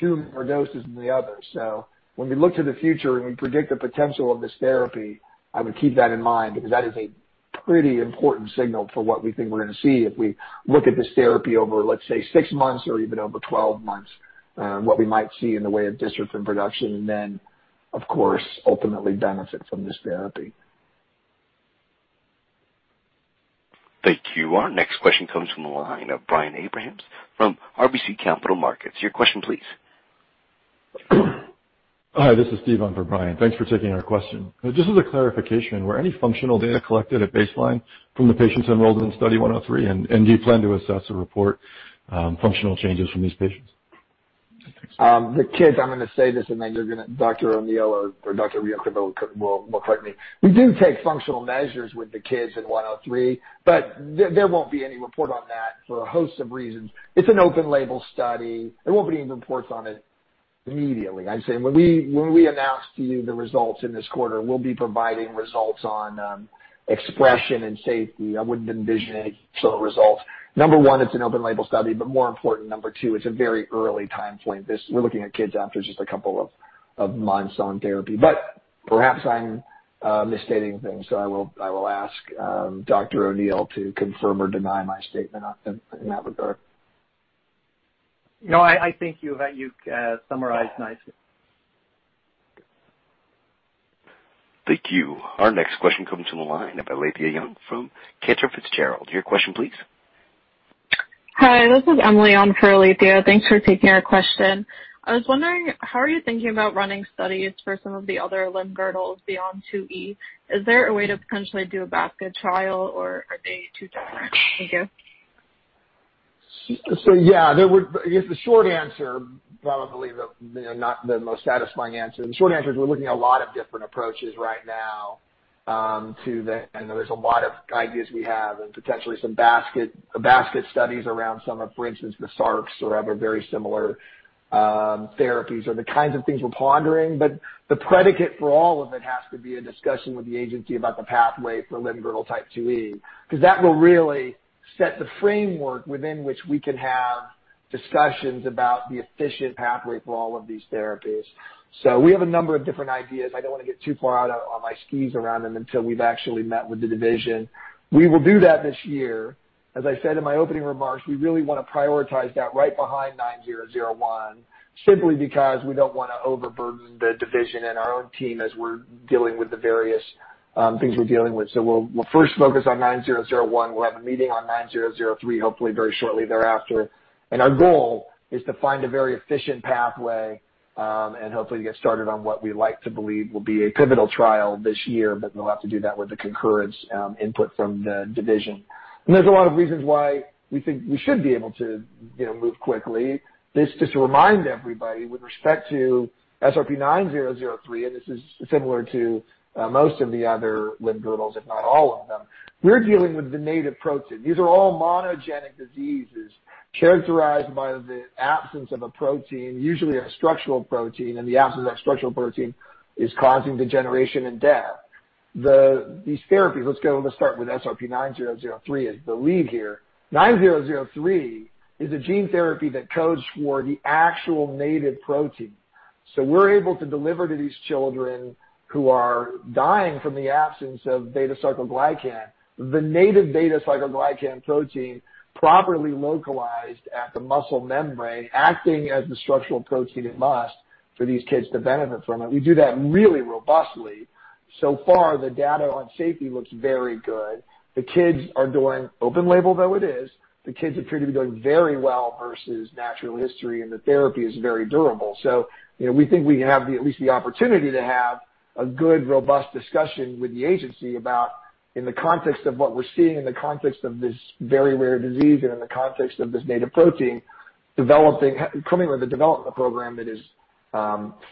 two more doses than the others. When we look to the future and we predict the potential of this therapy, I would keep that in mind because that is a pretty important signal for what we think we're going to see if we look at this therapy over, let's say, six months or even over 12-months, what we might see in the way of dystrophin production and then, of course, ultimately benefit from this therapy. Thank you. Our next question comes from the line of Brian Abrahams from RBC Capital Markets. Your question, please. Hi, this is Steve on for Brian. Thanks for taking our question. Just as a clarification, were any functional data collected at baseline from the patients enrolled in Study 103, and do you plan to assess or report functional changes from these patients? The kids, I'm going to say this, and then Dr. O'Neill or Dr. Rodino-Klapac will correct me. We do take functional measures with the kids in 103, but there won't be any report on that for a host of reasons. It's an open label study. There won't be any reports on it immediately. I'm saying, when we announce to you the results in this quarter, we'll be providing results on expression and safety. I wouldn't envision any sort of results. Number 1, it's an open label study. More important, number 2, it's a very early time point. We're looking at kids after just a couple of months on therapy. Perhaps I'm misstating things, so I will ask Dr. O'Neill to confirm or deny my statement in that regard. No, I think you've summarized nicely. Thank you. Our next question comes from the line of Alethia Young from Cantor Fitzgerald. Your question, please. Hi, this is Emily on for Alethia. Thanks for taking our question. I was wondering, how are you thinking about running studies for some of the other limb-girdles beyond 2E? Is there a way to potentially do a basket trial, or are they too different? Thank you. Yeah, I guess the short answer, probably not the most satisfying answer. The short answer is we're looking at a lot of different approaches right now. I know there's a lot of ideas we have and potentially some basket studies around some of, for instance, the SARCs or other very similar therapies are the kinds of things we're pondering. The predicate for all of it has to be a discussion with the agency about the pathway for Limb-Girdle Type 2E, because that will really set the framework within which we can have discussions about the efficient pathway for all of these therapies. We have a number of different ideas. I don't want to get too far out on my skis around them until we've actually met with the division. We will do that this year. As I said in my opening remarks, we really want to prioritize that right behind 9001, simply because we don't want to overburden the division and our own team as we're dealing with the various things we're dealing with. We'll first focus on 9001. We'll have a meeting on 9003, hopefully very shortly thereafter. Our goal is to find a very efficient pathway, and hopefully get started on what we like to believe will be a pivotal trial this year, but we'll have to do that with the concurrence input from the division. There's a lot of reasons why we think we should be able to move quickly. Just to remind everybody with respect to SRP-9003, and this is similar to most of the other limb girdles, if not all of them, we're dealing with the native protein. These are all monogenic diseases characterized by the absence of a protein, usually a structural protein, and the absence of that structural protein is causing degeneration and death. These therapies, let's start with SRP-9003 as the lead here. 9003 is a gene therapy that codes for the actual native protein. So we're able to deliver to these children who are dying from the absence of beta-sarcoglycan, the native beta-sarcoglycan protein, properly localized at the muscle membrane, acting as the structural protein it must for these kids to benefit from it. We do that really robustly. So far, the data on safety looks very good. The kids are doing, open label though it is, the kids appear to be doing very well versus natural history, and the therapy is very durable. We think we have at least the opportunity to have a good, robust discussion with the agency about in the context of what we're seeing, in the context of this very rare disease, and in the context of this native protein, coming with a development program that is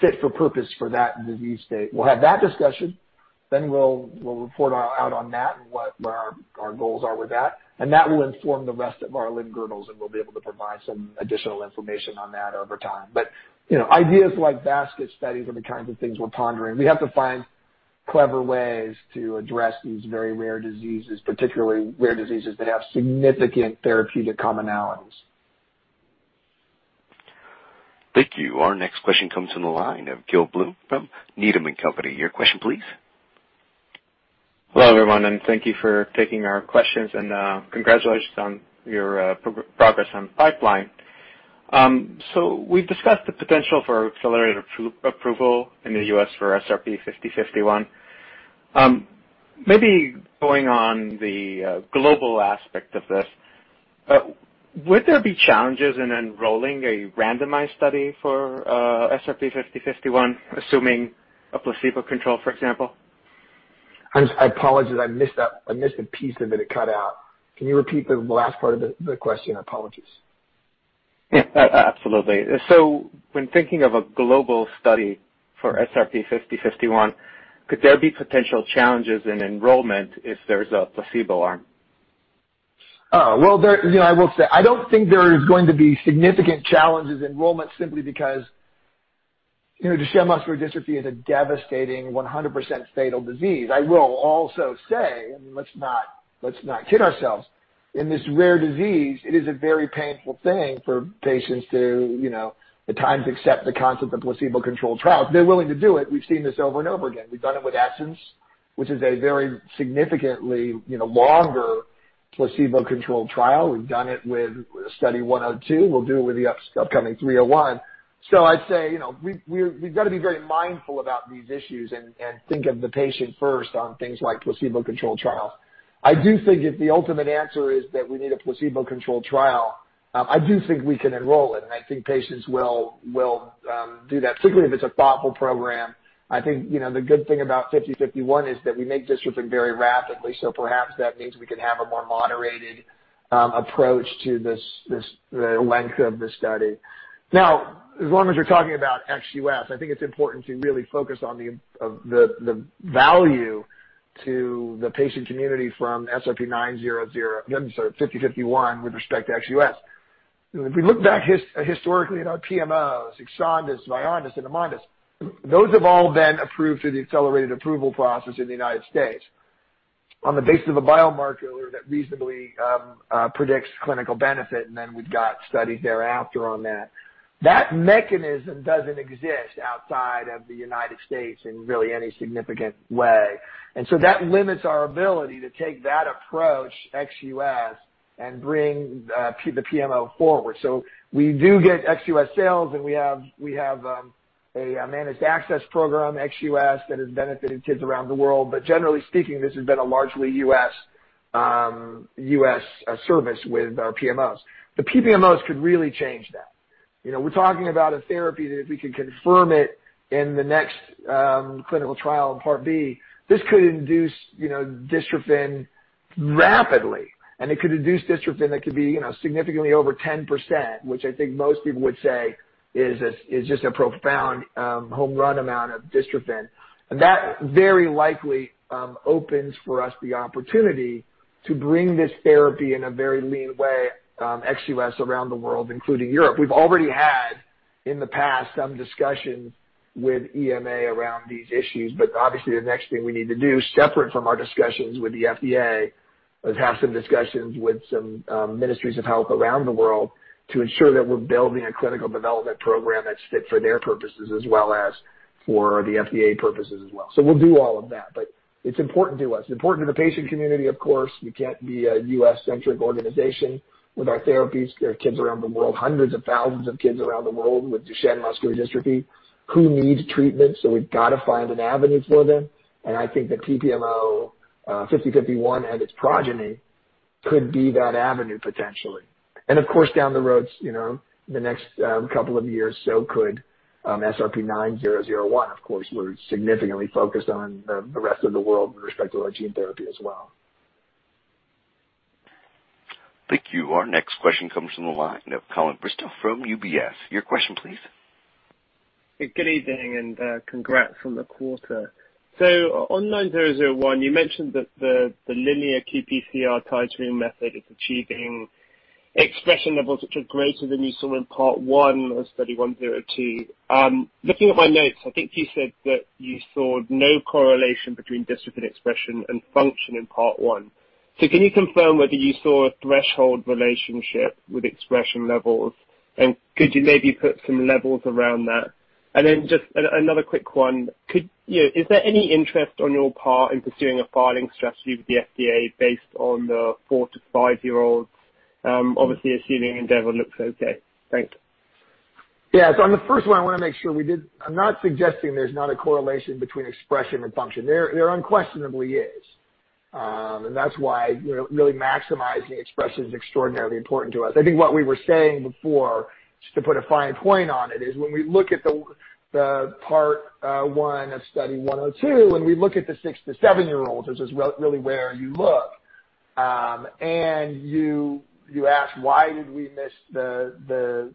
fit for purpose for that disease state. We'll have that discussion, then we'll report out on that and what our goals are with that, and that will inform the rest of our limb girdles, and we'll be able to provide some additional information on that over time. Ideas like basket studies are the kinds of things we're pondering. We have to find clever ways to address these very rare diseases, particularly rare diseases that have significant therapeutic commonalities. Thank you. Our next question comes from the line of Gil Blum from Needham & Company. Your question, please. Hello, everyone, thank you for taking our questions and congratulations on your progress on the pipeline. We've discussed the potential for accelerated approval in the U.S. for SRP-5051. Maybe going on the global aspect of this, would there be challenges in enrolling a randomized study for SRP-5051, assuming a placebo control, for example? I apologize. I missed a piece of it. It cut out. Can you repeat the last part of the question? Apologies. Yeah, absolutely. When thinking of a global study for SRP-5051, could there be potential challenges in enrollment if there's a placebo arm? Well, I will say, I don't think there's going to be significant challenges in enrollment simply because Duchenne muscular dystrophy is a devastating 100% fatal disease. I will also say, let's not kid ourselves, in this rare disease, it is a very painful thing for patients to at times accept the concept of placebo-controlled trials. They're willing to do it. We've seen this over and over again. We've done it with ESSENCE, which is a very significantly longer placebo-controlled trial. We've done it with Study 102. We'll do it with the upcoming Study 301. I'd say, we've got to be very mindful about these issues and think of the patient first on things like placebo-controlled trials. I do think if the ultimate answer is that we need a placebo-controlled trial, I do think we can enroll it, and I think patients will do that, particularly if it's a thoughtful program. I think, the good thing about 5051 is that we make dystrophin very rapidly, so perhaps that means we can have a more moderated approach to the length of the study. As long as we're talking about ex-U.S., I think it's important to really focus on the value to the patient community from 5051 with respect to ex-U.S. If we look back historically at our PMOs, EXONDYS, VYONDYS, and AMONDYS, those have all been approved through the accelerated approval process in the United States on the basis of a biomarker that reasonably predicts clinical benefit, and then we've got studies thereafter on that. That mechanism doesn't exist outside of the U.S. in really any significant way. That limits our ability to take that approach ex-U.S. and bring the PMO forward. We do get ex-U.S. sales, and we have a managed access program, ex-U.S., that has benefited kids around the world. Generally speaking, this has been a largely U.S. service with our PMOs. The PPMOs could really change that. We're talking about a therapy that if we could confirm it in the next clinical trial in Part B, this could induce dystrophin rapidly, and it could induce dystrophin that could be significantly over 10%, which I think most people would say is just a profound home run amount of dystrophin. That very likely opens for us the opportunity to bring this therapy in a very lean way, ex-U.S., around the world, including Europe. We've already had, in the past, some discussions with EMA around these issues, but obviously the next thing we need to do, separate from our discussions with the FDA, is have some discussions with some ministries of health around the world to ensure that we're building a clinical development program that's fit for their purposes as well as for the FDA purposes as well. We'll do all of that, but it's important to us. Important to the patient community, of course. We can't be a U.S.-centric organization with our therapies. There are kids around the world, hundreds of thousands of kids around the world with Duchenne muscular dystrophy who need treatment, so we've got to find an avenue for them. I think the PPMO 50-51 and its progeny could be that avenue potentially. Of course, down the road, in the next couple of years, so could SRP-9001. Of course, we're significantly focused on the rest of the world with respect to our gene therapy as well. Thank you. Our next question comes from the line of Colin Bristow from UBS. Your question, please. Good evening, and congrats on the quarter. On 9001, you mentioned that the linear qPCR titrating method is achieving expression levels which are greater than you saw in Part 1 of Study 102. Looking at my notes, I think you said that you saw no correlation between dystrophin expression and function in Part 1. Can you confirm whether you saw a threshold relationship with expression levels, and could you maybe put some levels around that? Just another quick one. Is there any interest on your part in pursuing a filing strategy with the FDA based on the four to five-year-olds? Obviously assuming ENDEAVOR looks okay. Thanks. On the first one, I want to make sure I'm not suggesting there's not a correlation between expression and function. There unquestionably is. That's why really maximizing expression is extraordinarily important to us. I think what we were saying before, just to put a fine point on it, is when we look at the part 1 of Study 102, when we look at the six to seven-year-olds, which is really where you look, and you ask why did we miss the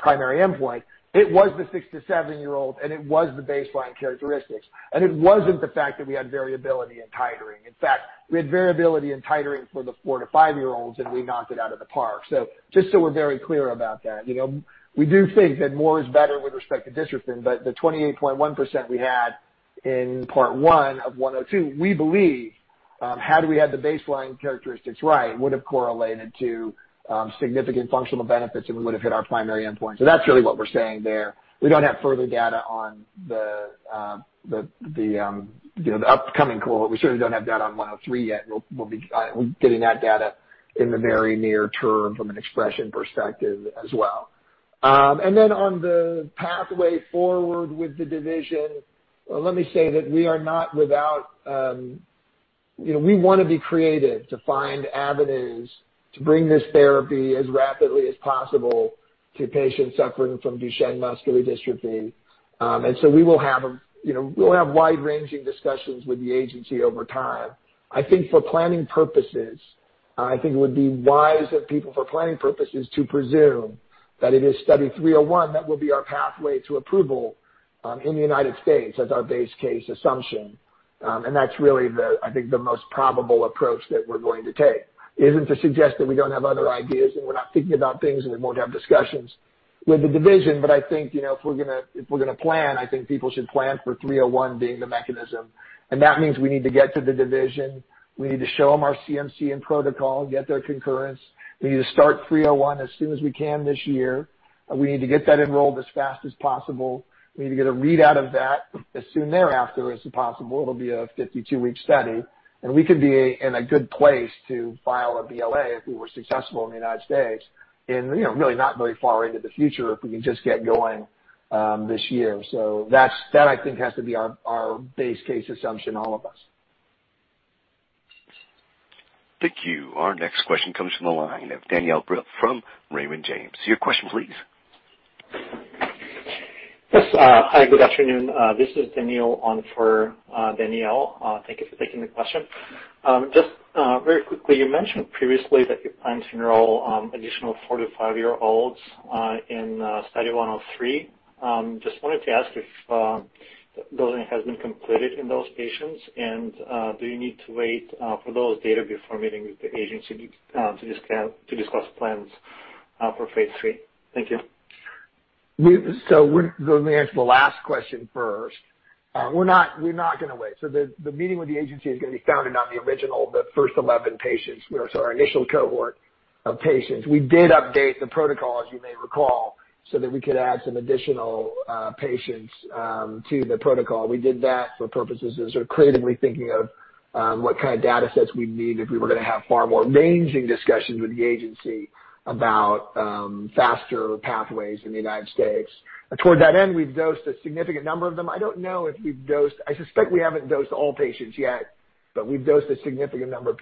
primary endpoint, it was the six to seven-year-old, and it was the baseline characteristics. It wasn't the fact that we had variability in titrating. In fact, we had variability in titrating for the four to five-year-olds, and we knocked it out of the park. Just so we're very clear about that. We do think that more is better with respect to dystrophin, but the 28.1% we had in Part 1 of 102, we believe, had we had the baseline characteristics right, would've correlated to significant functional benefits and we would've hit our primary endpoint. That's really what we're saying there. We don't have further data on the upcoming cohort. We certainly don't have data on 103 yet, and we'll be getting that data in the very near term from an expression perspective as well. On the pathway forward with the division, let me say that We want to be creative to find avenues to bring this therapy as rapidly as possible to patients suffering from Duchenne muscular dystrophy. We will have wide-ranging discussions with the agency over time. I think for planning purposes, I think it would be wise of people for planning purposes to presume that it is Study 301 that will be our pathway to approval in the United States as our base case assumption. That's really, I think, the most probable approach that we're going to take. It isn't to suggest that we don't have other ideas and we're not thinking about things and we won't have discussions with the division. I think, if we're going to plan, I think people should plan for 301 being the mechanism. That means we need to get to the division. We need to show them our CMC and protocol, get their concurrence. We need to start 301 as soon as we can this year. We need to get that enrolled as fast as possible. We need to get a readout of that as soon thereafter as possible. It'll be a 52-week study. We could be in a good place to file a BLA if we were successful in the U.S. in really not very far into the future, if we can just get going this year. That, I think, has to be our base case assumption, all of us. Thank you. Our next question comes from the line of Danielle Brill from Raymond James. Your question please. Yes. Hi, good afternoon. This is Danielle on for Danielle. Thank you for taking the question. Just very quickly, you mentioned previously that you plan to enroll additional 45-year-olds in Study 103. Just wanted to ask if dosing has been completed in those patients and do you need to wait for those data before meeting with the agency to discuss plans for phase III? Thank you. Let me answer the last question first. We're not going to wait. The meeting with the agency is going to be founded on the original, the first 11 patients. Our initial cohort of patients. We did update the protocol, as you may recall, so that we could add some additional patients to the protocol. We did that for purposes of sort of creatively thinking of what kind of data sets we'd need if we were going to have far more ranging discussions with the agency about faster pathways in the United States. Toward that end, we've dosed a significant number of them. I don't know if we've dosed, I suspect we haven't dosed all patients yet, but we've dosed a significant number.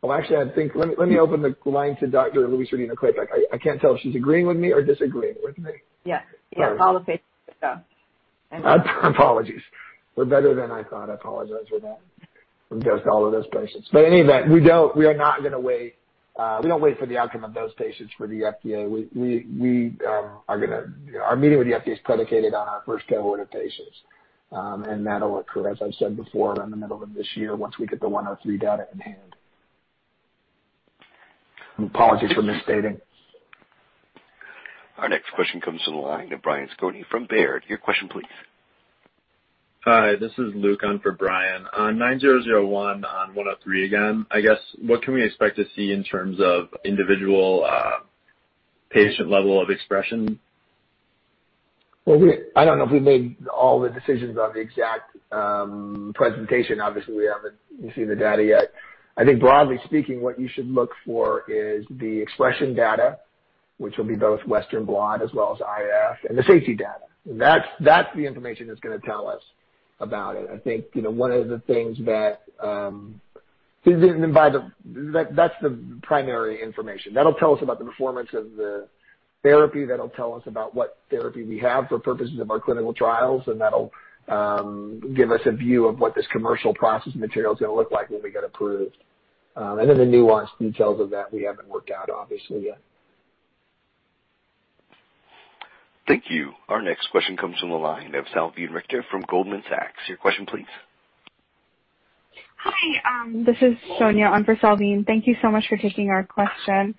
Well, actually I think, let me open the line to Dr. Louise Rodino-Klapac quick. I can't tell if she's agreeing with me or disagreeing with me. Yes. All the patients are dosed. Apologies. We're better than I thought. I apologize for that. We've dosed all of those patients. In any event, we are not going to wait. We don't wait for the outcome of those patients for the FDA. Our meeting with the FDA is predicated on our first cohort of patients. That'll occur, as I've said before, in the middle of this year once we get the 103 data in hand. Apologies for misstating. Our next question comes to the line of Brian Skorney from Baird. Your question, please. Hi, this is Luke on for Brian. On 9001 on 103 again, I guess, what can we expect to see in terms of individual patient level of expression? Well, I don't know if we've made all the decisions on the exact presentation. Obviously, we haven't seen the data yet. I think broadly speaking, what you should look for is the expression data, which will be both Western blot as well as IHC and the safety data. That's the information that's going to tell us about it. I think one of the things that's the primary information. That'll tell us about the performance of the therapy, that'll tell us about what therapy we have for purposes of our clinical trials, and that'll give us a view of what this commercial process material is going to look like when we get approved. The nuanced details of that we haven't worked out obviously yet. Thank you. Our next question comes from the line of Salveen Richter from Goldman Sachs. Your question, please. Hi. This is Sonia. On for Salveen. Thank you so much for taking our question.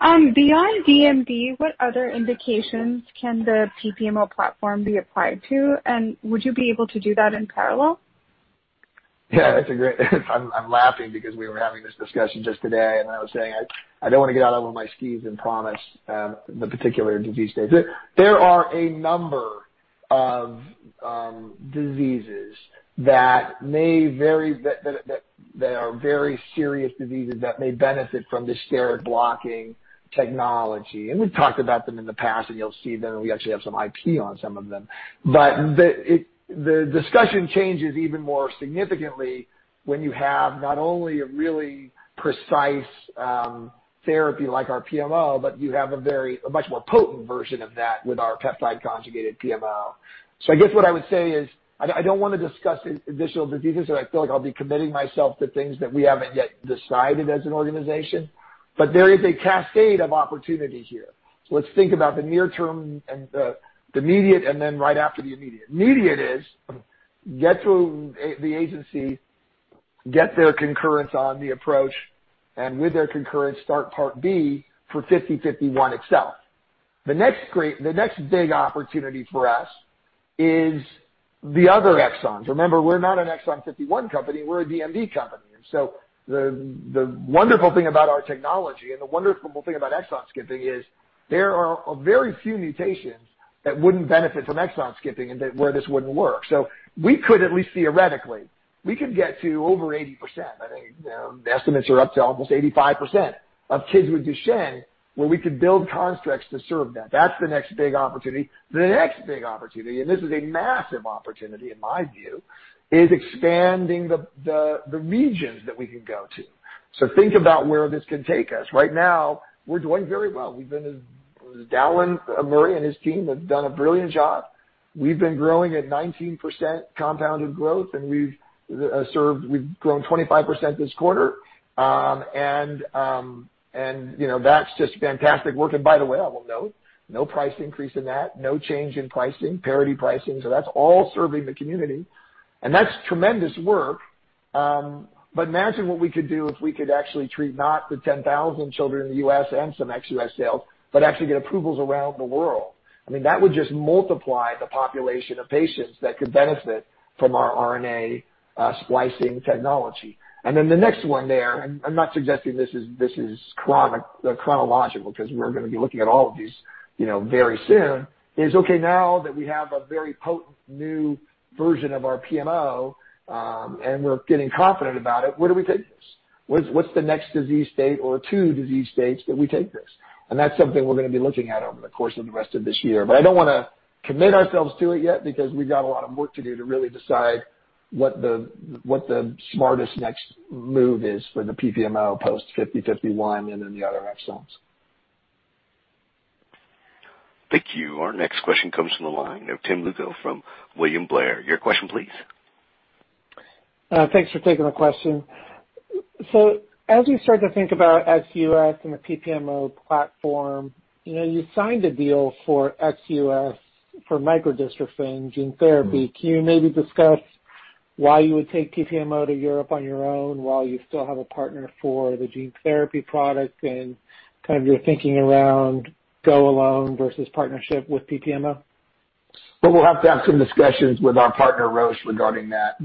Beyond DMD, what other indications can the PPMO platform be applied to? Would you be able to do that in parallel? Yeah, I'm laughing because we were having this discussion just today, and I was saying, I don't want to get out on one of my skis and promise the particular disease states. There are a number of diseases that are very serious diseases that may benefit from the steroid blocking technology. We've talked about them in the past, and you'll see them, and we actually have some IP on some of them. The discussion changes even more significantly when you have not only a really precise therapy like our PMO, but you have a much more potent version of that with our peptide conjugated PMO. I guess what I would say is, I don't want to discuss additional diseases, because I feel like I'll be committing myself to things that we haven't yet decided as an organization. There is a cascade of opportunity here. Let's think about the near term and the immediate, and then right after the immediate. Immediate is get through the agency, get their concurrence on the approach, and with their concurrence, start part B for SRP-5051 itself. The next big opportunity for us is the other exons. Remember, we're not an exon 51 company, we're a DMD company. The wonderful thing about our technology and the wonderful thing about exon skipping is there are very few mutations that wouldn't benefit from exon skipping and where this wouldn't work. We could at least theoretically, we could get to over 80%. I think, the estimates are up to almost 85% of kids with Duchenne, where we could build constructs to serve them. That's the next big opportunity. The next big opportunity, this is a massive opportunity in my view, is expanding the regions that we can go to. Think about where this can take us. Right now, we're doing very well. Dallan Murray and his team have done a brilliant job. We've been growing at 19% compounded growth, we've grown 25% this quarter. That's just fantastic work. By the way, I will note, no price increase in that, no change in pricing, parity pricing. That's all serving the community, that's tremendous work. Imagine what we could do if we could actually treat not the 10,000 children in the U.S. and some ex-U.S. sales, but actually get approvals around the world. I mean, that would just multiply the population of patients that could benefit from our RNA splicing technology. The next one there, I'm not suggesting this is chronological because we're going to be looking at all of these very soon, is okay, now that we have a very potent new version of our PMO, and we're getting confident about it, where do we take this? What's the next disease state or two disease states that we take this? That's something we're going to be looking at over the course of the rest of this year. I don't want to commit ourselves to it yet because we've got a lot of work to do to really decide what the smartest next move is for the PPMO post 5051 and then the other exons. Thank you. Our next question comes from the line of Tim Lucarelli from William Blair. Your question, please. Thanks for taking the question. As we start to think about ex-U.S. and the PPMO platform, you signed a deal for ex-U.S. for microdystrophin gene therapy. Can you maybe discuss why you would take PPMO to Europe on your own while you still have a partner for the gene therapy product, and your thinking around go alone versus partnership with PPMO? Well, we'll have to have some discussions with our partner, Roche, regarding that.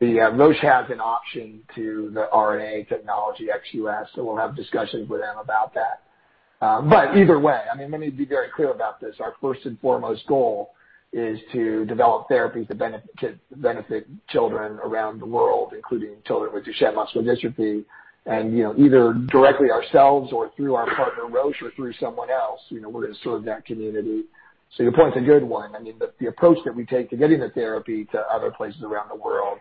Roche has an option to the RNA technology ex-U.S., we'll have discussions with them about that. Either way, let me be very clear about this. Our first and foremost goal is to develop therapies that benefit children around the world, including children with Duchenne muscular dystrophy. Either directly ourselves or through our partner, Roche or through someone else, we're going to serve that community. Your point's a good one. The approach that we take to getting the therapy to other places around the world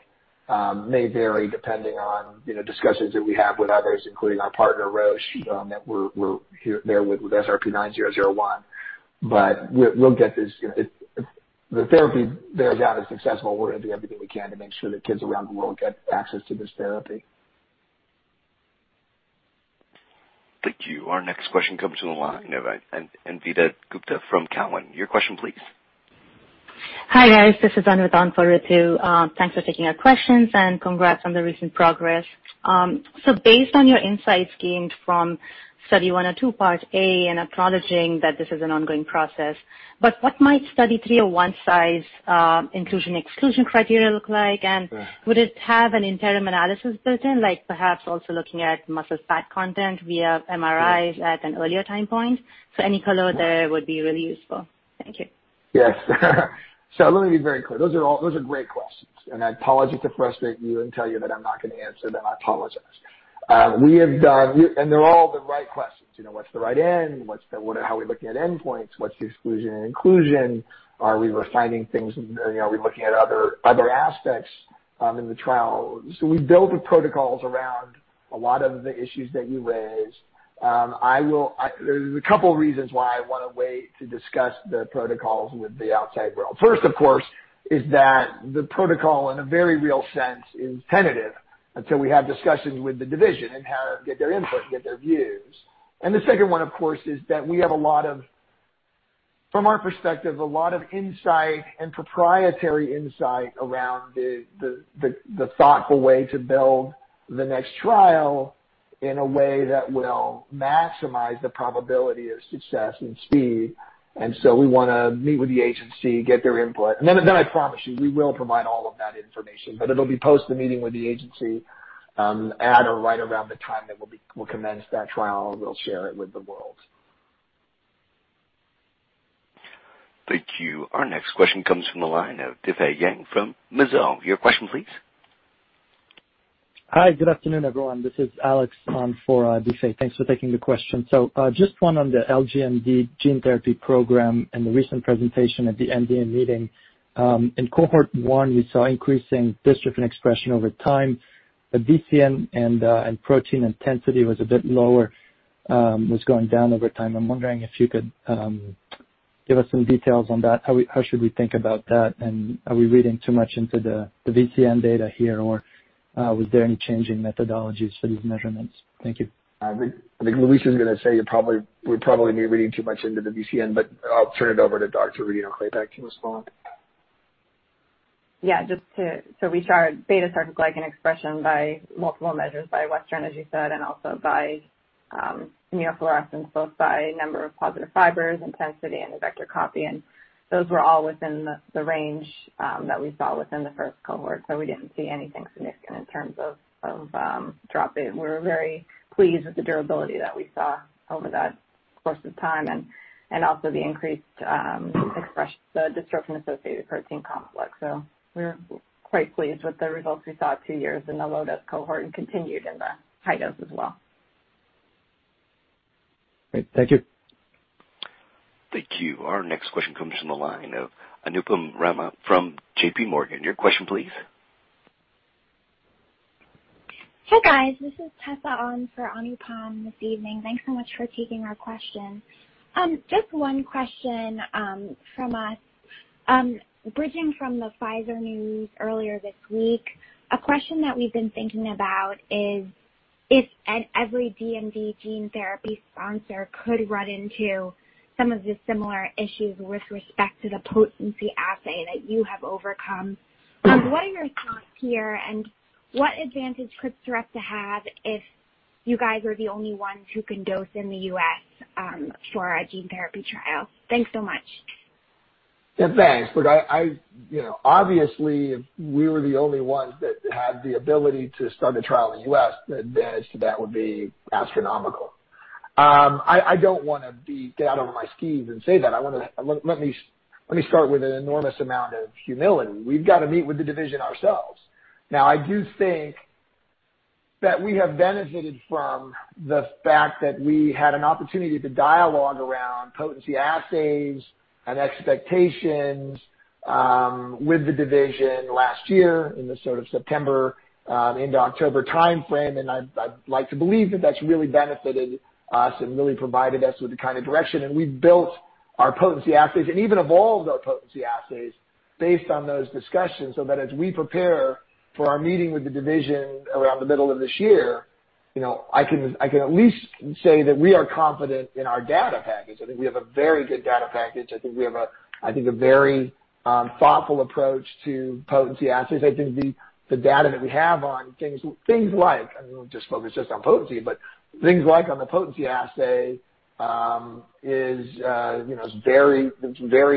may vary depending on discussions that we have with others, including our partner, Roche that we're there with SRP-9001. If the therapy bears out as successful, we're going to do everything we can to make sure that kids around the world get access to this therapy. Thank you. Our next question comes from the line of Anvita Gupta from Cowen. Your question, please. Hi, guys. This is Anu on for Ritu. Thanks for taking our questions, and congrats on the recent progress. Based on your insights gained from Study 102, part A, and acknowledging that this is an ongoing process, but what might Study 301 size inclusion/exclusion criteria look like? Yeah. Would it have an interim analysis built in, like perhaps also looking at muscle fat content via MRIs at an earlier time point? Any color there would be really useful. Thank you. Yes. Let me be very clear. Those are great questions, and I apologize to frustrate you and tell you that I'm not going to answer them. I apologize. They're all the right questions. What's the right end? How are we looking at endpoints? What's the exclusion and inclusion? Are we refining things? Are we looking at other aspects in the trial? We built the protocols around a lot of the issues that you raised. There's a couple reasons why I want to wait to discuss the protocols with the outside world. First, of course, is that the protocol, in a very real sense, is tentative until we have discussions with the division and get their input and get their views. The second one, of course, is that we have, from our perspective, a lot of insight and proprietary insight around the thoughtful way to build the next trial in a way that will maximize the probability of success and speed. We want to meet with the agency, get their input. I promise you, we will provide all of that information, but it'll be post the meeting with the agency, at or right around the time that we'll commence that trial, and we'll share it with the world. Thank you. Our next question comes from the line of Difei Yang from Mizuho. Your question, please. Hi, good afternoon, everyone. This is Alex on for Difei. Thanks for taking the question. Just one on the LGMD gene therapy program and the recent presentation at the MDA meeting. In Cohort 1, we saw increasing dystrophin expression over time, but VCN and protein intensity was a bit lower, was going down over time. I'm wondering if you could give us some details on that. How should we think about that? Are we reading too much into the VCN data here, or was there any change in methodologies for these measurements? Thank you. I think Louise's going to say we'd probably be reading too much into the VCN, but I'll turn it over to Dr. Louise Rodino-Klapac to respond. We chart beta-sarcoglycan expression by multiple measures by Western, as you said, and also by immunofluorescence, both by number of positive fibers, intensity, and the vector copy. Those were all within the range that we saw within the first cohort. We didn't see anything significant in terms of dropping. We're very pleased with the durability that we saw over the course of time and also the increased expression, the dystrophin-associated protein complex. We're quite pleased with the results we saw at two years in the low dose cohort and continued in the high dose as well. Great. Thank you. Thank you. Our next question comes from the line of Anupam Rama from JP Morgan. Your question, please. Hi, guys. This is Tessa on for Anupam this evening. Thanks so much for taking our question. Just one question from us. Bridging from the Pfizer news earlier this week, a question that we've been thinking about is if every DMD gene therapy sponsor could run into some of the similar issues with respect to the potency assay that you have overcome. What are your thoughts here, and what advantage could Sarepta have if you guys are the only ones who can dose in the U.S. for a gene therapy trial? Thanks so much. Yeah, thanks. Look, obviously, if we were the only ones that had the ability to start a trial in the U.S., the advantage to that would be astronomical. I don't want to get out on my skis and say that. Let me start with an enormous amount of humility. We've got to meet with the division ourselves. I do think that we have benefited from the fact that we had an opportunity to dialogue around potency assays and expectations with the division last year in the sort of September into October timeframe. I'd like to believe that that's really benefited us and really provided us with the kind of direction, and we've built our potency assays and even evolved our potency assays based on those discussions, so that as we prepare for our meeting with the division around the middle of this year, I can at least say that we are confident in our data package. I think we have a very good data package. I think we have a very thoughtful approach to potency assays. I think the data that we have on things like, I don't want to just focus just on potency, but things like on the potency assay is very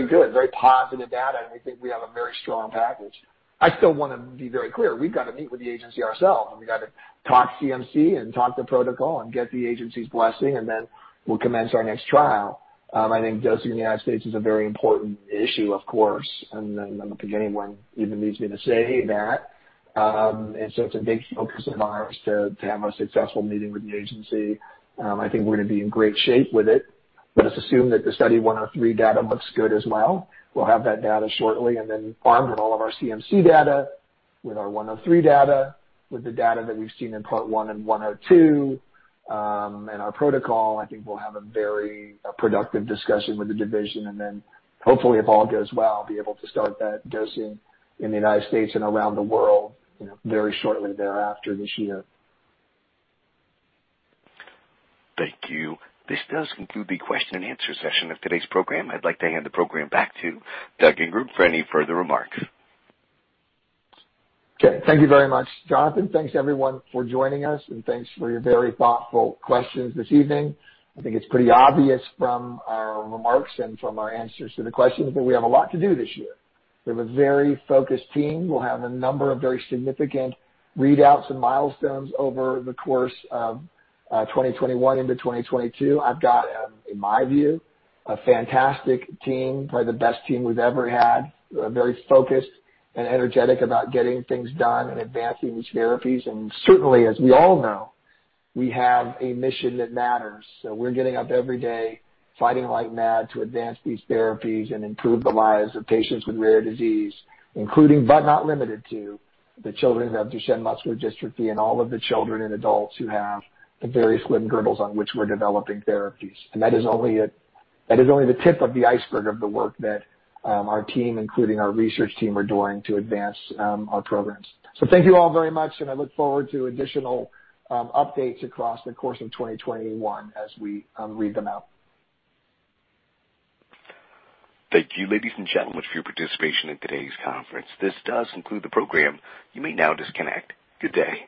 good, very positive data, and I think we have a very strong package. I still want to be very clear. We've got to meet with the agency ourselves, and we've got to talk CMC and talk to protocol and get the agency's blessing, and then we'll commence our next trial. I think dosing in the United States is a very important issue, of course, and I don't think anyone even needs me to say that. It's a big focus of ours to have a successful meeting with the agency. I think we're going to be in great shape with it. Let us assume that the Study 103 data looks good as well. We'll have that data shortly. Armed with all of our CMC data, with our 103 data, with the data that we've seen in Part 1 and 102, and our protocol, I think we'll have a very productive discussion with the division. Hopefully, if all goes well, be able to start that dosing in the U.S. and around the world very shortly thereafter this year. Thank you. This does conclude the question and answer session of today's program. I'd like to hand the program back to Doug and group for any further remarks. Okay. Thank you very much, Jonathan. Thanks everyone for joining us, and thanks for your very thoughtful questions this evening. I think it's pretty obvious from our remarks and from our answers to the questions that we have a lot to do this year. We have a very focused team. We'll have a number of very significant readouts and milestones over the course of 2021 into 2022. I've got, in my view, a fantastic team, probably the best team we've ever had, very focused and energetic about getting things done and advancing these therapies. Certainly, as we all know, we have a mission that matters. We're getting up every day fighting like mad to advance these therapies and improve the lives of patients with rare disease, including, but not limited to, the children who have Duchenne muscular dystrophy and all of the children and adults who have the various limb girdles on which we're developing therapies. That is only the tip of the iceberg of the work that our team, including our research team, are doing to advance our programs. Thank you all very much, and I look forward to additional updates across the course of 2021 as we read them out. Thank you, ladies and gentlemen, for your participation in today's conference. This does conclude the program. You may now disconnect. Good day.